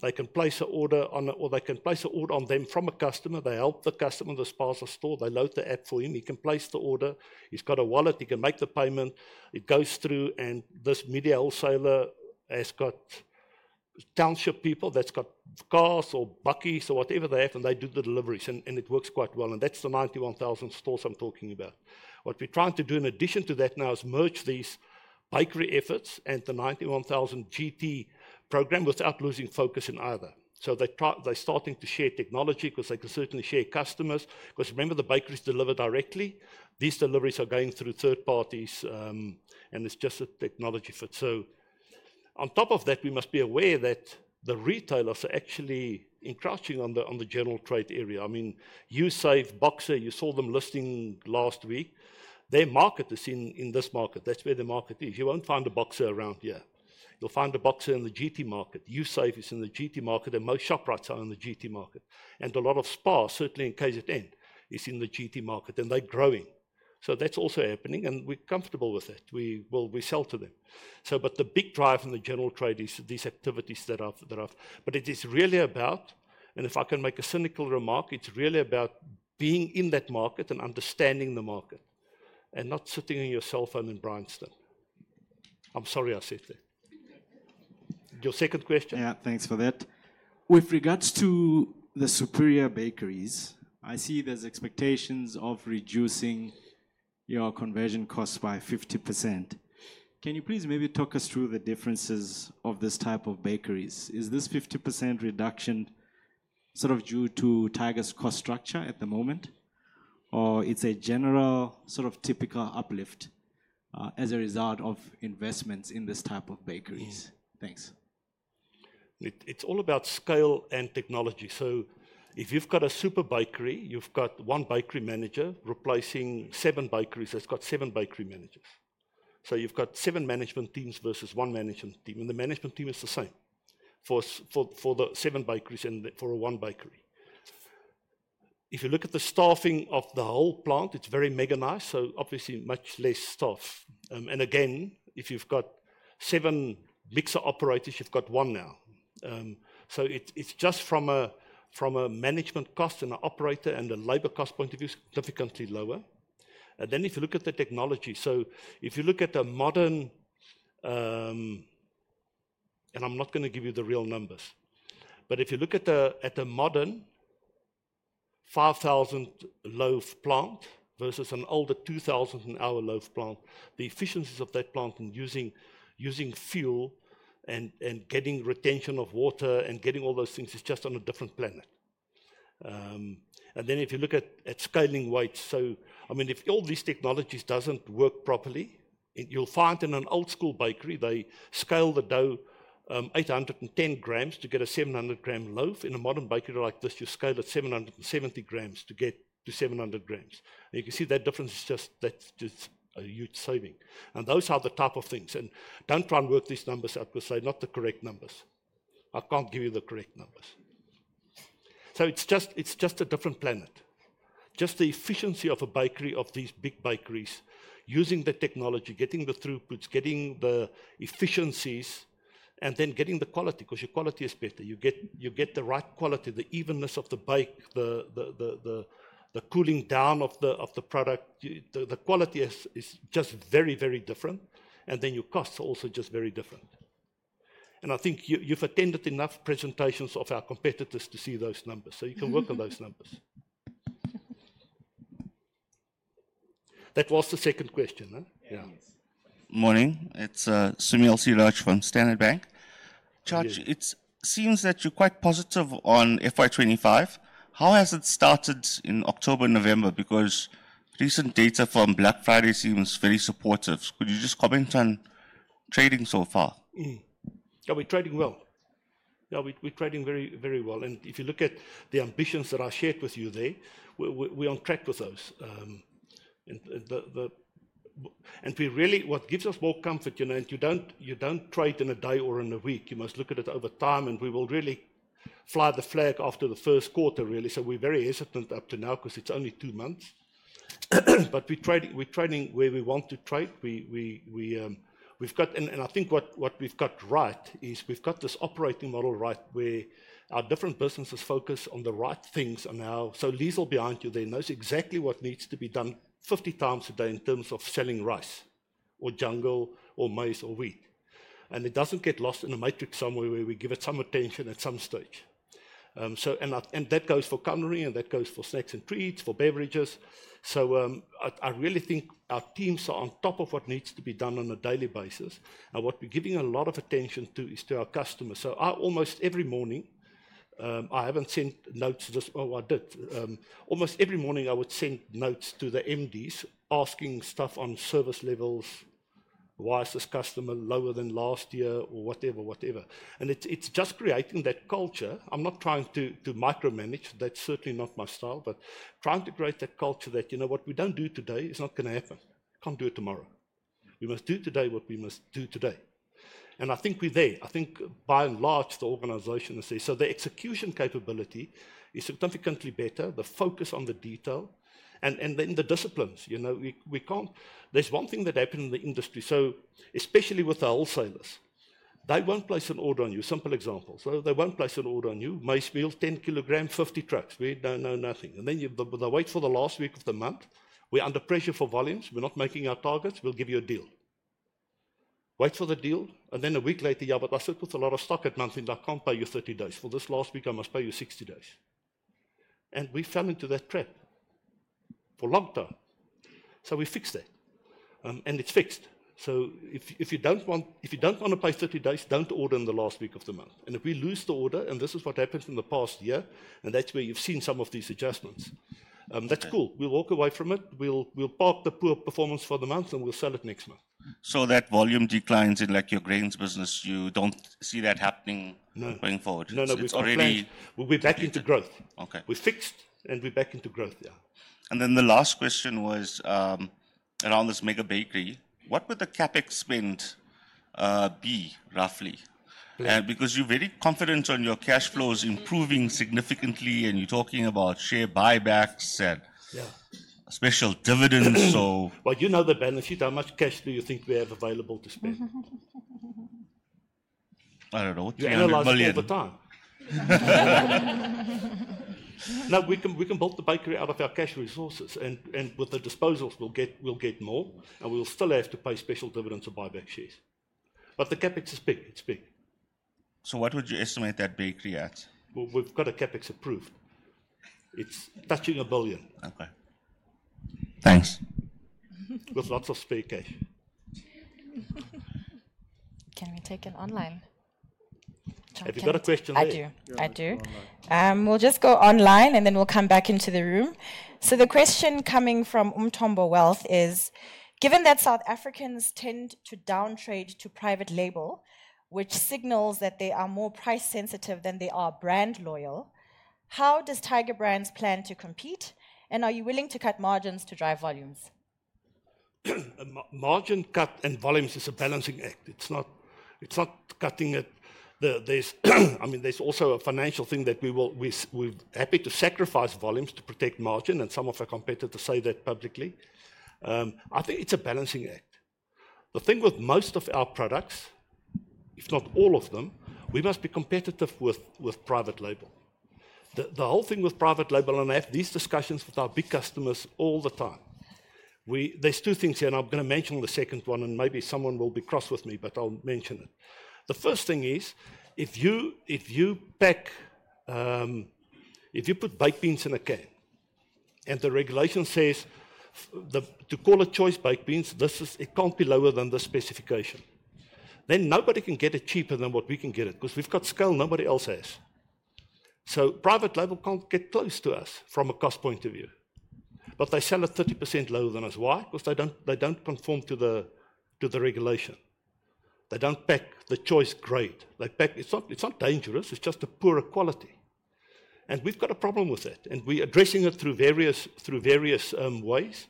Speaker 2: they can place an order on them from a customer. They help the customer, the spaza store. They load the app for him. He can place the order. He's got a wallet. He can make the payment. It goes through, and these wholesalers have got township people that's got cars or bakkies or whatever they have, and they do the deliveries, and it works quite well, and that's the 91,000 stores I'm talking about. What we're trying to do in addition to that now is merge these bakery efforts and the 91,000 GT program without losing focus in either, so they're starting to share technology because they can certainly share customers. Because remember, the bakeries deliver directly. These deliveries are going through third parties, and it's just a technology fit. On top of that, we must be aware that the retailers are actually encroaching on the general trade area. I mean, Usave, Boxer, you saw them listing last week. Their market is in this market. That's where the market is. You won't find a Boxer around here. You'll find a Boxer in the GT market. Usave is in the GT market, and most Shoprite are in the GT market. And a lot of SPAR, certainly in KZN, is in the GT market, and they're growing. So that's also happening, and we're comfortable with that. We sell to them. But the big drive in the general trade is these activities that are, but it is really about, and if I can make a cynical remark, it's really about being in that market and understanding the market and not sitting on your cell phone in Bryanston. I'm sorry I said that. Your second question?
Speaker 4: Yeah, thanks for that. With regards to the super bakeries, I see there's expectations of reducing your conversion costs by 50%. Can you please maybe talk us through the differences of this type of bakeries? Is this 50% reduction sort of due to Tiger's cost structure at the moment, or it's a general sort of typical uplift as a result of investments in this type of bakeries? Thanks.
Speaker 2: It's all about scale and technology. So if you've got a super bakery, you've got one bakery manager replacing seven bakeries. It's got seven bakery managers. So you've got seven management teams versus one management team, and the management team is the same for the seven bakeries and for a one bakery. If you look at the staffing of the whole plant, it's very mechanized, so obviously much less staff. And again, if you've got seven mixer operators, you've got one now. So it's just from a management cost and an operator and a labor cost point of view, significantly lower. And then if you look at the technology, so if you look at a modern, and I'm not going to give you the real numbers, but if you look at a modern 5,000 loaf plant versus an older 2,000-hour loaf plant, the efficiencies of that plant in using fuel and getting retention of water and getting all those things is just on a different planet. And then if you look at scaling weights, so I mean, if all these technologies don't work properly, you'll find in an old-school bakery, they scale the dough 810 grams to get a 700-gram loaf. In a modern bakery like this, you scale it 770 grams to get to 700 grams. You can see that difference is just a huge saving. Those are the type of things. Don't try and work these numbers out because they're not the correct numbers. I can't give you the correct numbers. It's just a different planet. Just the efficiency of a bakery, of these big bakeries, using the technology, getting the throughputs, getting the efficiencies, and then getting the quality because your quality is better. You get the right quality, the evenness of the bake, the cooling down of the product. The quality is just very, very different. Your costs are also just very different. I think you've attended enough presentations of our competitors to see those numbers. You can work on those numbers. That was the second question, huh?
Speaker 4: Yeah.
Speaker 5: Morning. It's Sumil Seeraj from Standard Bank. Tjaart, it seems that you're quite positive on FY 2025. How has it started in October, November? Because recent data from Black Friday seems very supportive. Could you just comment on trading so far?
Speaker 2: Yeah, we're trading well. Yeah, we're trading very well. And if you look at the ambitions that I shared with you there, we're on track with those. And what gives us more comfort, you know, and you don't trade in a day or in a week. You must look at it over time, and we will really fly the flag after the first quarter, really. So we're very hesitant up to now because it's only two months. But we're trading where we want to trade. And I think what we've got right is we've got this operating model right where our different businesses focus on the right things now. Liezel behind you there knows exactly what needs to be done 50 times a day in terms of selling rice or Jungle or maize or wheat. It doesn't get lost in a matrix somewhere where we give it some attention at some stage. That goes for cannery, and that goes for snacks and treats, for beverages. Our teams are on top of what needs to be done on a daily basis. What we're giving a lot of attention to is to our customers. Almost every morning, I haven't sent notes to this. Oh, I did. Almost every morning, I would send notes to the MDs asking stuff on service levels, why is this customer lower than last year or whatever, whatever. It's just creating that culture. I'm not trying to micromanage. That's certainly not my style, but trying to create that culture that, you know, what we don't do today is not going to happen. Can't do it tomorrow. We must do today what we must do today, and I think we're there. I think by and large, the organization is there, so the execution capability is significantly better, the focus on the detail, and then the disciplines. You know, there's one thing that happened in the industry, so especially with the wholesalers, they won't place an order on you. Simple example, so they won't place an order on you. Maize meal, 10 kg, 50 trucks. We don't know nothing, and then they wait for the last week of the month. We're under pressure for volumes. We're not making our targets. We'll give you a deal. Wait for the deal. And then a week later, yeah, but I still put a lot of stock in the informal. "I can't pay you 30 days. For this last week, I must pay you 60 days." And we fell into that trap for a long time. So we fixed it. And it's fixed. So if you don't want to pay 30 days, don't order in the last week of the month. And if we lose the order, and this is what happened in the past year, and that's where you've seen some of these adjustments, that's cool. We'll walk away from it. We'll park the poor performance for the month, and we'll sell it next month. So that volume declines in your Grains business. You don't see that happening going forward? No, no. We'll be back into growth. We're fixed, and we're back into growth, yeah.
Speaker 5: Then the last question was around this mega bakery. What would the CapEx spend be, roughly? Because you're very confident on your cash flows improving significantly, and you're talking about share buybacks and special dividends, so. But you know the benefit. How much cash do you think we have available to spend?
Speaker 2: I don't know. We're analyzing over time. No, we can build the bakery out of our cash resources, and with the disposals, we'll get more. And we'll still have to pay special dividends or buyback shares. But the CapEx is big. It's big.
Speaker 5: So what would you estimate that bakery at?
Speaker 2: We've got a CapEx approved. It's touching 1 billion.
Speaker 5: Okay. Thanks.
Speaker 2: With lots of spare cash.
Speaker 1: Can we take it online?
Speaker 2: Have you got a question there?
Speaker 1: I do. I do. We'll just go online, and then we'll come back into the room. So the question coming from Umthombo Wealth is, given that South Africans tend to downtrade to private label, which signals that they are more price-sensitive than they are brand loyal, how does Tiger Brands plan to compete? And are you willing to cut margins to drive volumes?
Speaker 2: Margin cut and volumes is a balancing act. It's not cutting it. I mean, there's also a financial thing that we're happy to sacrifice volumes to protect margin, and some of our competitors say that publicly. I think it's a balancing act. The thing with most of our products, if not all of them, we must be competitive with private label. The whole thing with private label, and I have these discussions with our big customers all the time. There's two things here, and I'm going to mention the second one, and maybe someone will be cross with me, but I'll mention it. The first thing is, if you put baked beans in a can, and the regulation says to call it choice baked beans, it can't be lower than the specification, then nobody can get it cheaper than what we can get it because we've got scale nobody else has. So private label can't get close to us from a cost point of view. But they sell it 30% lower than us. Why? Because they don't conform to the regulation. They don't pack the choice grade. It's not dangerous. It's just a poorer quality. And we've got a problem with that. And we're addressing it through various ways.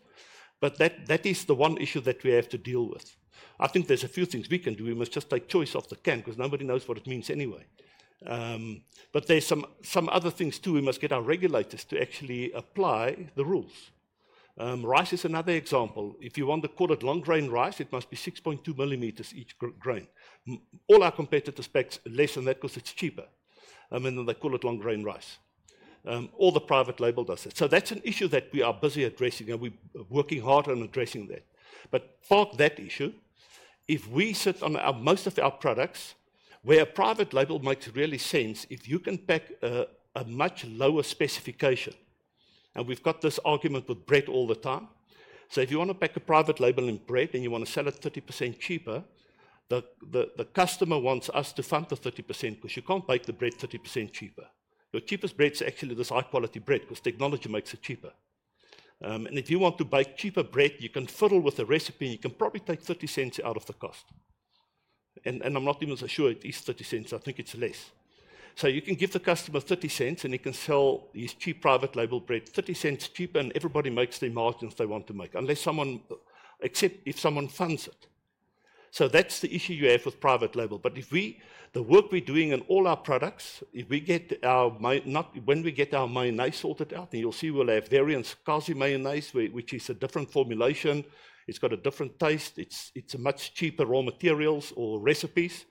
Speaker 2: But that is the one issue that we have to deal with. I think there's a few things we can do. We must just take choice off the can because nobody knows what it means anyway. But there's some other things too. We must get our regulators to actually apply the rules. Rice is another example. If you want the quality long-grain rice, it must be 6.2 millimeters each grain. All our competitors pack less than that because it's cheaper, and then they call it long-grain rice. All the private label does it. So that's an issue that we are busy addressing, and we're working hard on addressing that, but park that issue. If we sit on most of our products, where a private label makes really sense, if you can pack a much lower specification, and we've got this argument with bread all the time, so if you want to pack a private label in bread and you want to sell it 30% cheaper, the customer wants us to fund the 30% because you can't bake the bread 30% cheaper. Your cheapest bread is actually this high-quality bread because technology makes it cheaper. And if you want to bake cheaper bread, you can fiddle with the recipe, and you can probably take 30 cents out of the cost. And I'm not even so sure it is 30 cents. I think it's less. So you can give the customer 30 cents, and he can sell his cheap private label bread 30 cents cheaper, and everybody makes the margins they want to make unless someone except if someone funds it. So that's the issue you have with private label. But the work we're doing in all our products, when we get our mayonnaise sorted out, and you'll see we'll have variants, Kasi mayonnaise, which is a different formulation. It's got a different taste. It's much cheaper raw materials or recipes.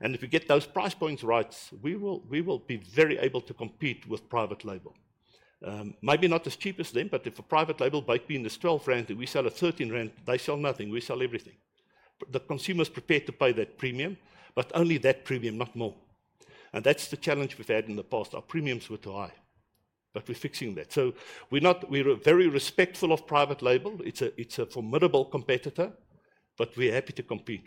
Speaker 2: If we get those price points right, we will be very able to compete with private label. Maybe not as cheap as them, but if a private label baked bean is 12 rand, and we sell it 13 rand, they sell nothing. We sell everything. The consumer is prepared to pay that premium, but only that premium, not more. That's the challenge we've had in the past. Our premiums were too high. But we're fixing that. We're very respectful of private label. It's a formidable competitor, but we're happy to compete.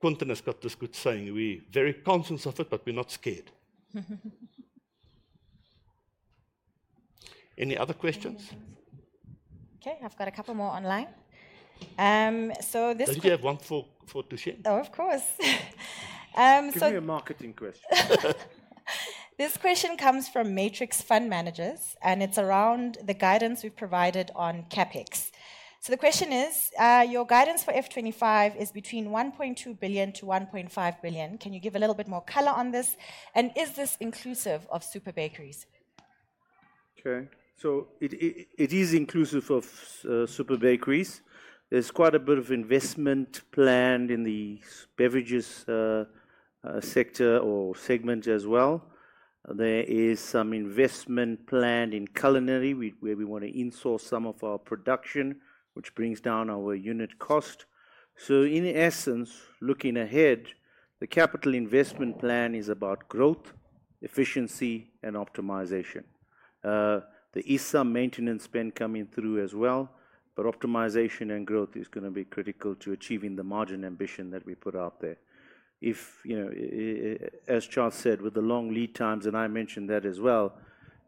Speaker 2: Quinton has got this good saying. We're very conscious of it, but we're not scared. Any other questions?
Speaker 1: Okay, I've got a couple more online. So this question.
Speaker 2: Did you have one for Thushen?
Speaker 1: Oh, of course.
Speaker 3: Give me a marketing question.
Speaker 1: This question comes from Matrix Fund Managers, and it's around the guidance we've provided on CapEx. So the question is, your guidance for FY 2025 is between 1.2 billion-1.5 billion. Can you give a little bit more color on this? And is this inclusive of super bakeries?
Speaker 3: Okay. So it is inclusive of super bakeries. There's quite a bit of investment planned in the beverages sector or segment as well. There is some investment planned in Culinary where we want to insource some of our production, which brings down our unit cost. So in essence, looking ahead, the capital investment plan is about growth, efficiency, and optimization. There is some maintenance spend coming through as well, but optimization and growth is going to be critical to achieving the margin ambition that we put out there. As Tjaart said, with the long lead times, and I mentioned that as well,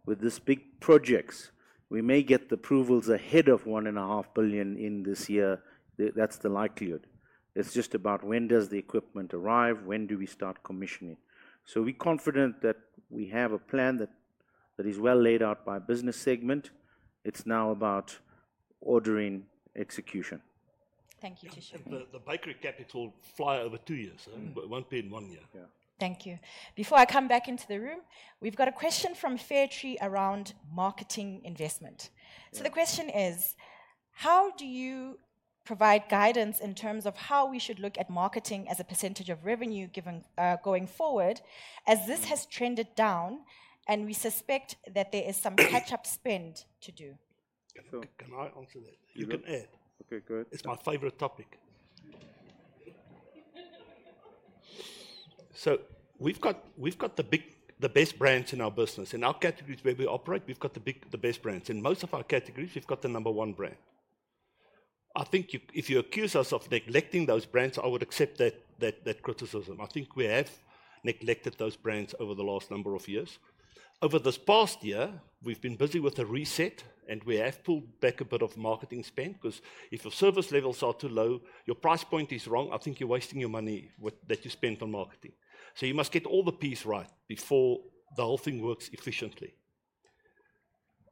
Speaker 3: with these big projects, we may get the approvals ahead of 1.5 billion in this year. That's the likelihood. It's just about when does the equipment arrive? When do we start commissioning? So we're confident that we have a plan that is well laid out by business segment. It's now about ensuring execution.
Speaker 1: Thank you, Thushen.
Speaker 2: The bakery CapEx over two years, one phase in one year. Yeah.
Speaker 1: Thank you. Before I come back into the room, we've got a question from Fairtree around marketing investment. So the question is, how do you provide guidance in terms of how we should look at marketing as a percentage of revenue going forward as this has trended down and we suspect that there is some catch-up spend to do?
Speaker 3: Can I answer that?
Speaker 2: You can add. Okay, good. It's my favorite topic. So we've got the best brands in our business. In our categories where we operate, we've got the best brands. In most of our categories, we've got the number one brand. I think if you accuse us of neglecting those brands, I would accept that criticism. I think we have neglected those brands over the last number of years. Over this past year, we've been busy with a reset, and we have pulled back a bit of marketing spend because if your service levels are too low, your price point is wrong, I think you're wasting your money that you spend on marketing. So you must get all the P's right before the whole thing works efficiently.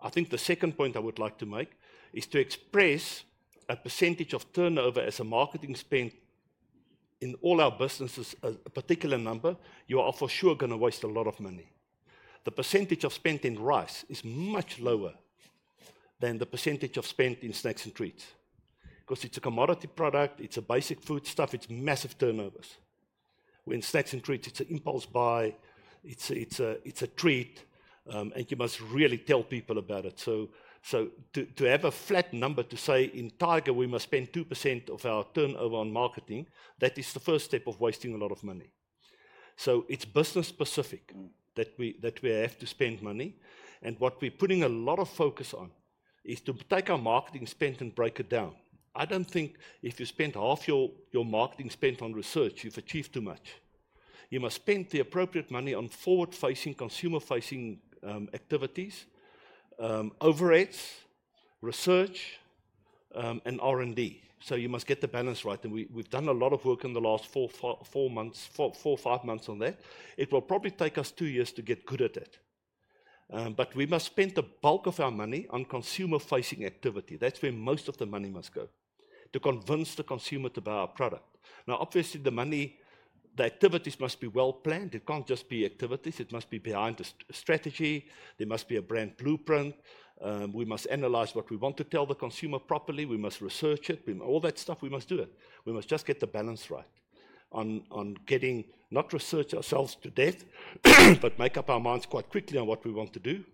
Speaker 2: I think the second point I would like to make is to express a percentage of turnover as a marketing spend in all our businesses, a particular number, you are for sure going to waste a lot of money. The percentage spent in rice is much lower than the percentage spent in snacks and treats. Because it's a commodity product, it's a basic foodstuff, it's massive turnovers. When snacks and treats, it's an impulse buy, it's a treat, and you must really tell people about it. So to have a flat number to say in Tiger, we must spend 2% of our turnover on marketing, that is the first step of wasting a lot of money. So it's business-specific that we have to spend money. And what we're putting a lot of focus on is to take our marketing spend and break it down. I don't think if you spend half your marketing spend on research, you've achieved too much. You must spend the appropriate money on forward-facing, consumer-facing activities, overheads, research, and R&D. So you must get the balance right. And we've done a lot of work in the last four, five months on that. It will probably take us two years to get good at it. But we must spend the bulk of our money on consumer-facing activity. That's where most of the money must go, to convince the consumer to buy our product. Now, obviously, the activities must be well-planned. It can't just be activities. It must be behind a strategy. There must be a brand blueprint. We must analyze what we want to tell the consumer properly. We must research it. All that stuff, we must do it. We must just get the balance right on getting, not research ourselves to death, but make up our minds quite quickly on what we want to do,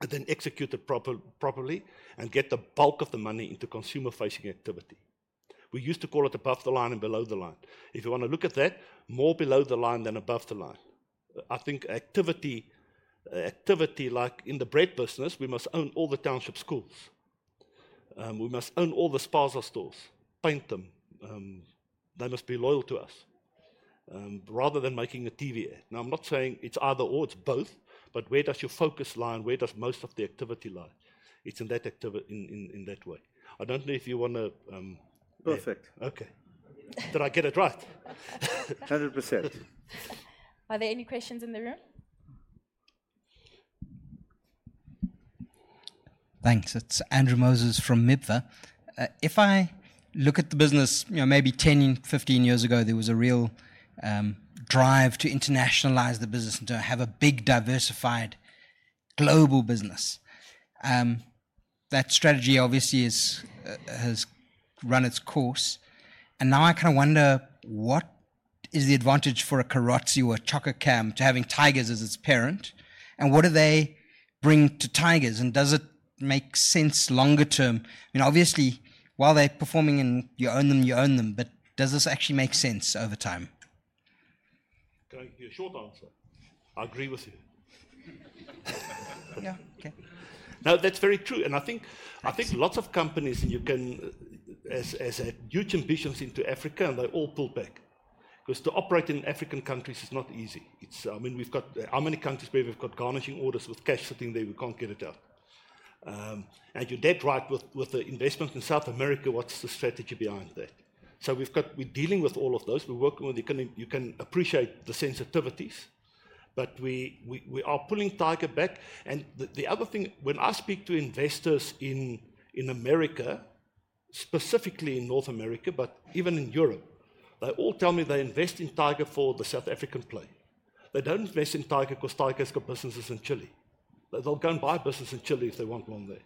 Speaker 2: and then execute it properly and get the bulk of the money into consumer-facing activity. We used to call it above the line and below the line. If you want to look at that, more below the line than above the line. I think activity like in the bread business, we must own all the township schools. We must own all the SPAR stores. Paint them. They must be loyal to us rather than making a TV ad. Now, I'm not saying it's either or, it's both, but where does your focus lie and where does most of the activity lie? It's in that way. I don't know if you want to. Perfect. Okay. Did I get it right?
Speaker 3: 100%.
Speaker 1: Are there any questions in the room?
Speaker 6: Thanks. It's Andrew Moses from MIBFA. If I look at the business, maybe 10, 15 years ago, there was a real drive to internationalize the business and to have a big, diversified, global business. That strategy obviously has run its course. And now I kind of wonder what is the advantage for a Carozzi or a Chococam to having Tiger Brands as its parent? And what do they bring to Tiger Brands? And does it make sense longer term? I mean, obviously, while they're performing and you own them, you own them, but does this actually make sense over time?
Speaker 2: Your short answer. I agree with you.
Speaker 6: Yeah. Okay.
Speaker 2: No, that's very true. And I think lots of companies, and Unilever had huge ambitions into Africa, and they all pull back. Because to operate in African countries is not easy. I mean, we've got how many countries where we've got garnishee orders with cash sitting there we can't get it out. You're dead right with the investment in South America. What's the strategy behind that? We're dealing with all of those. We're working. You can appreciate the sensitivities, but we are pulling Tiger back. The other thing, when I speak to investors in America, specifically in North America, but even in Europe, they all tell me they invest in Tiger for the South African play. They don't invest in Tiger because Tiger's got businesses in Chile. They'll go and buy a business in Chile if they want one there.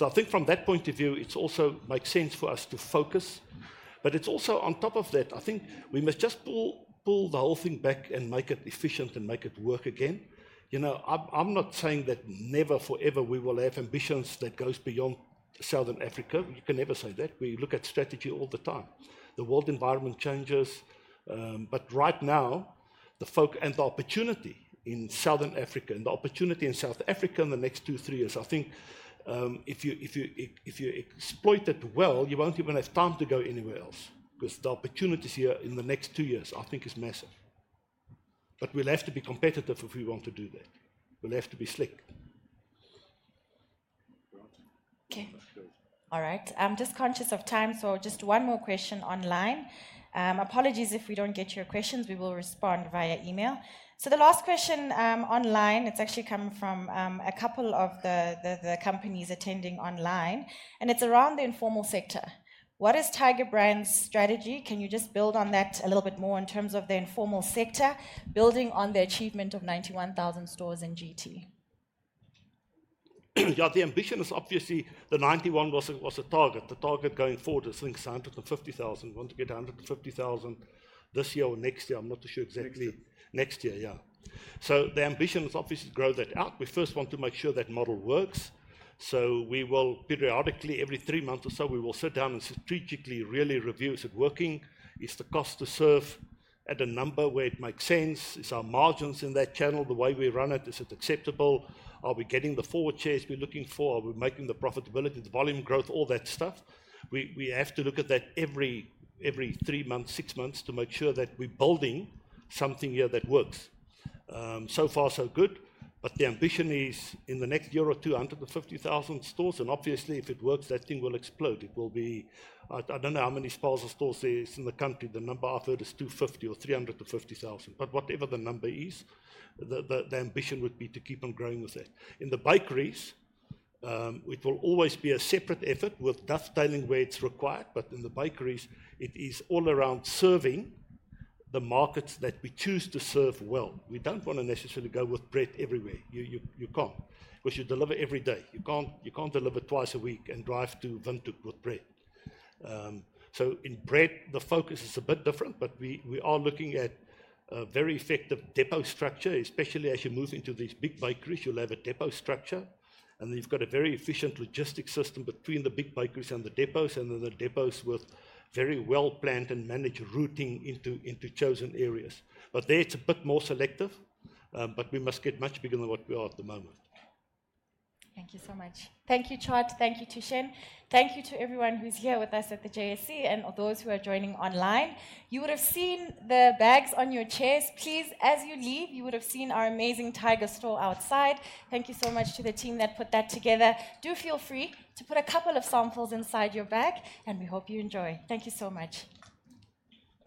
Speaker 2: I think from that point of view, it also makes sense for us to focus. But it's also on top of that, I think we must just pull the whole thing back and make it efficient and make it work again. I'm not saying that never forever we will have ambitions that go beyond Southern Africa. You can never say that. We look at strategy all the time. The world environment changes. But right now, the opportunity in Southern Africa and the opportunity in South Africa in the next two, three years, I think if you exploit it well, you won't even have time to go anywhere else because the opportunities here in the next two years, I think, is massive. But we'll have to be competitive if we want to do that. We'll have to be slick.
Speaker 1: Okay. All right. I'm just conscious of time. So just one more question online. Apologies if we don't get your questions. We will respond via email. So the last question online, it's actually coming from a couple of the companies attending online. And it's around the informal sector. What is Tiger Brands' strategy? Can you just build on that a little bit more in terms of the informal sector, building on the achievement of 91,000 stores in GT?
Speaker 2: Yeah, the ambition is obviously the 91 was a target. The target going forward is I think it's 150,000. We want to get 150,000 this year or next year. I'm not too sure exactly. Next year. Next year, yeah. So the ambition is obviously to grow that out. We first want to make sure that model works. So we will periodically, every three months or so, we will sit down and strategically really review is it working? Is the cost to serve at a number where it makes sense? Is our margins in that channel, the way we run it, is it acceptable? Are we getting the four chairs we're looking for? Are we making the profitability, the volume growth, all that stuff? We have to look at that every three months, six months to make sure that we're building something here that works. So far, so good. But the ambition is in the next year or two, 150,000 stores. And obviously, if it works, that thing will explode. It will be, I don't know, how many SPAR stores there are in the country. The number I've heard is 250 or 300 to 50,000. But whatever the number is, the ambition would be to keep on growing with that. In the bakeries, it will always be a separate effort with dovetailing where it's required. But in the bakeries, it is all around serving the markets that we choose to serve well. We don't want to necessarily go with bread everywhere. You can't. Because you deliver every day. You can't deliver twice a week and drive to Windhoek with bread. So in bread, the focus is a bit different, but we are looking at a very effective depot structure, especially as you move into these big bakeries, you'll have a depot structure. And then you've got a very efficient logistic system between the big bakeries and the depots, and then the depots with very well-planned and managed routing into chosen areas. But there it's a bit more selective, but we must get much bigger than what we are at the moment.
Speaker 1: Thank you so much. Thank you, Tjaart. Thank you, Thushen. Thank you to everyone who's here with us at the JSE and those who are joining online. You would have seen the bags on your chairs. Please, as you leave, you would have seen our amazing Tiger store outside. Thank you so much to the team that put that together. Do feel free to put a couple of samples inside your bag, and we hope you enjoy. Thank you so much.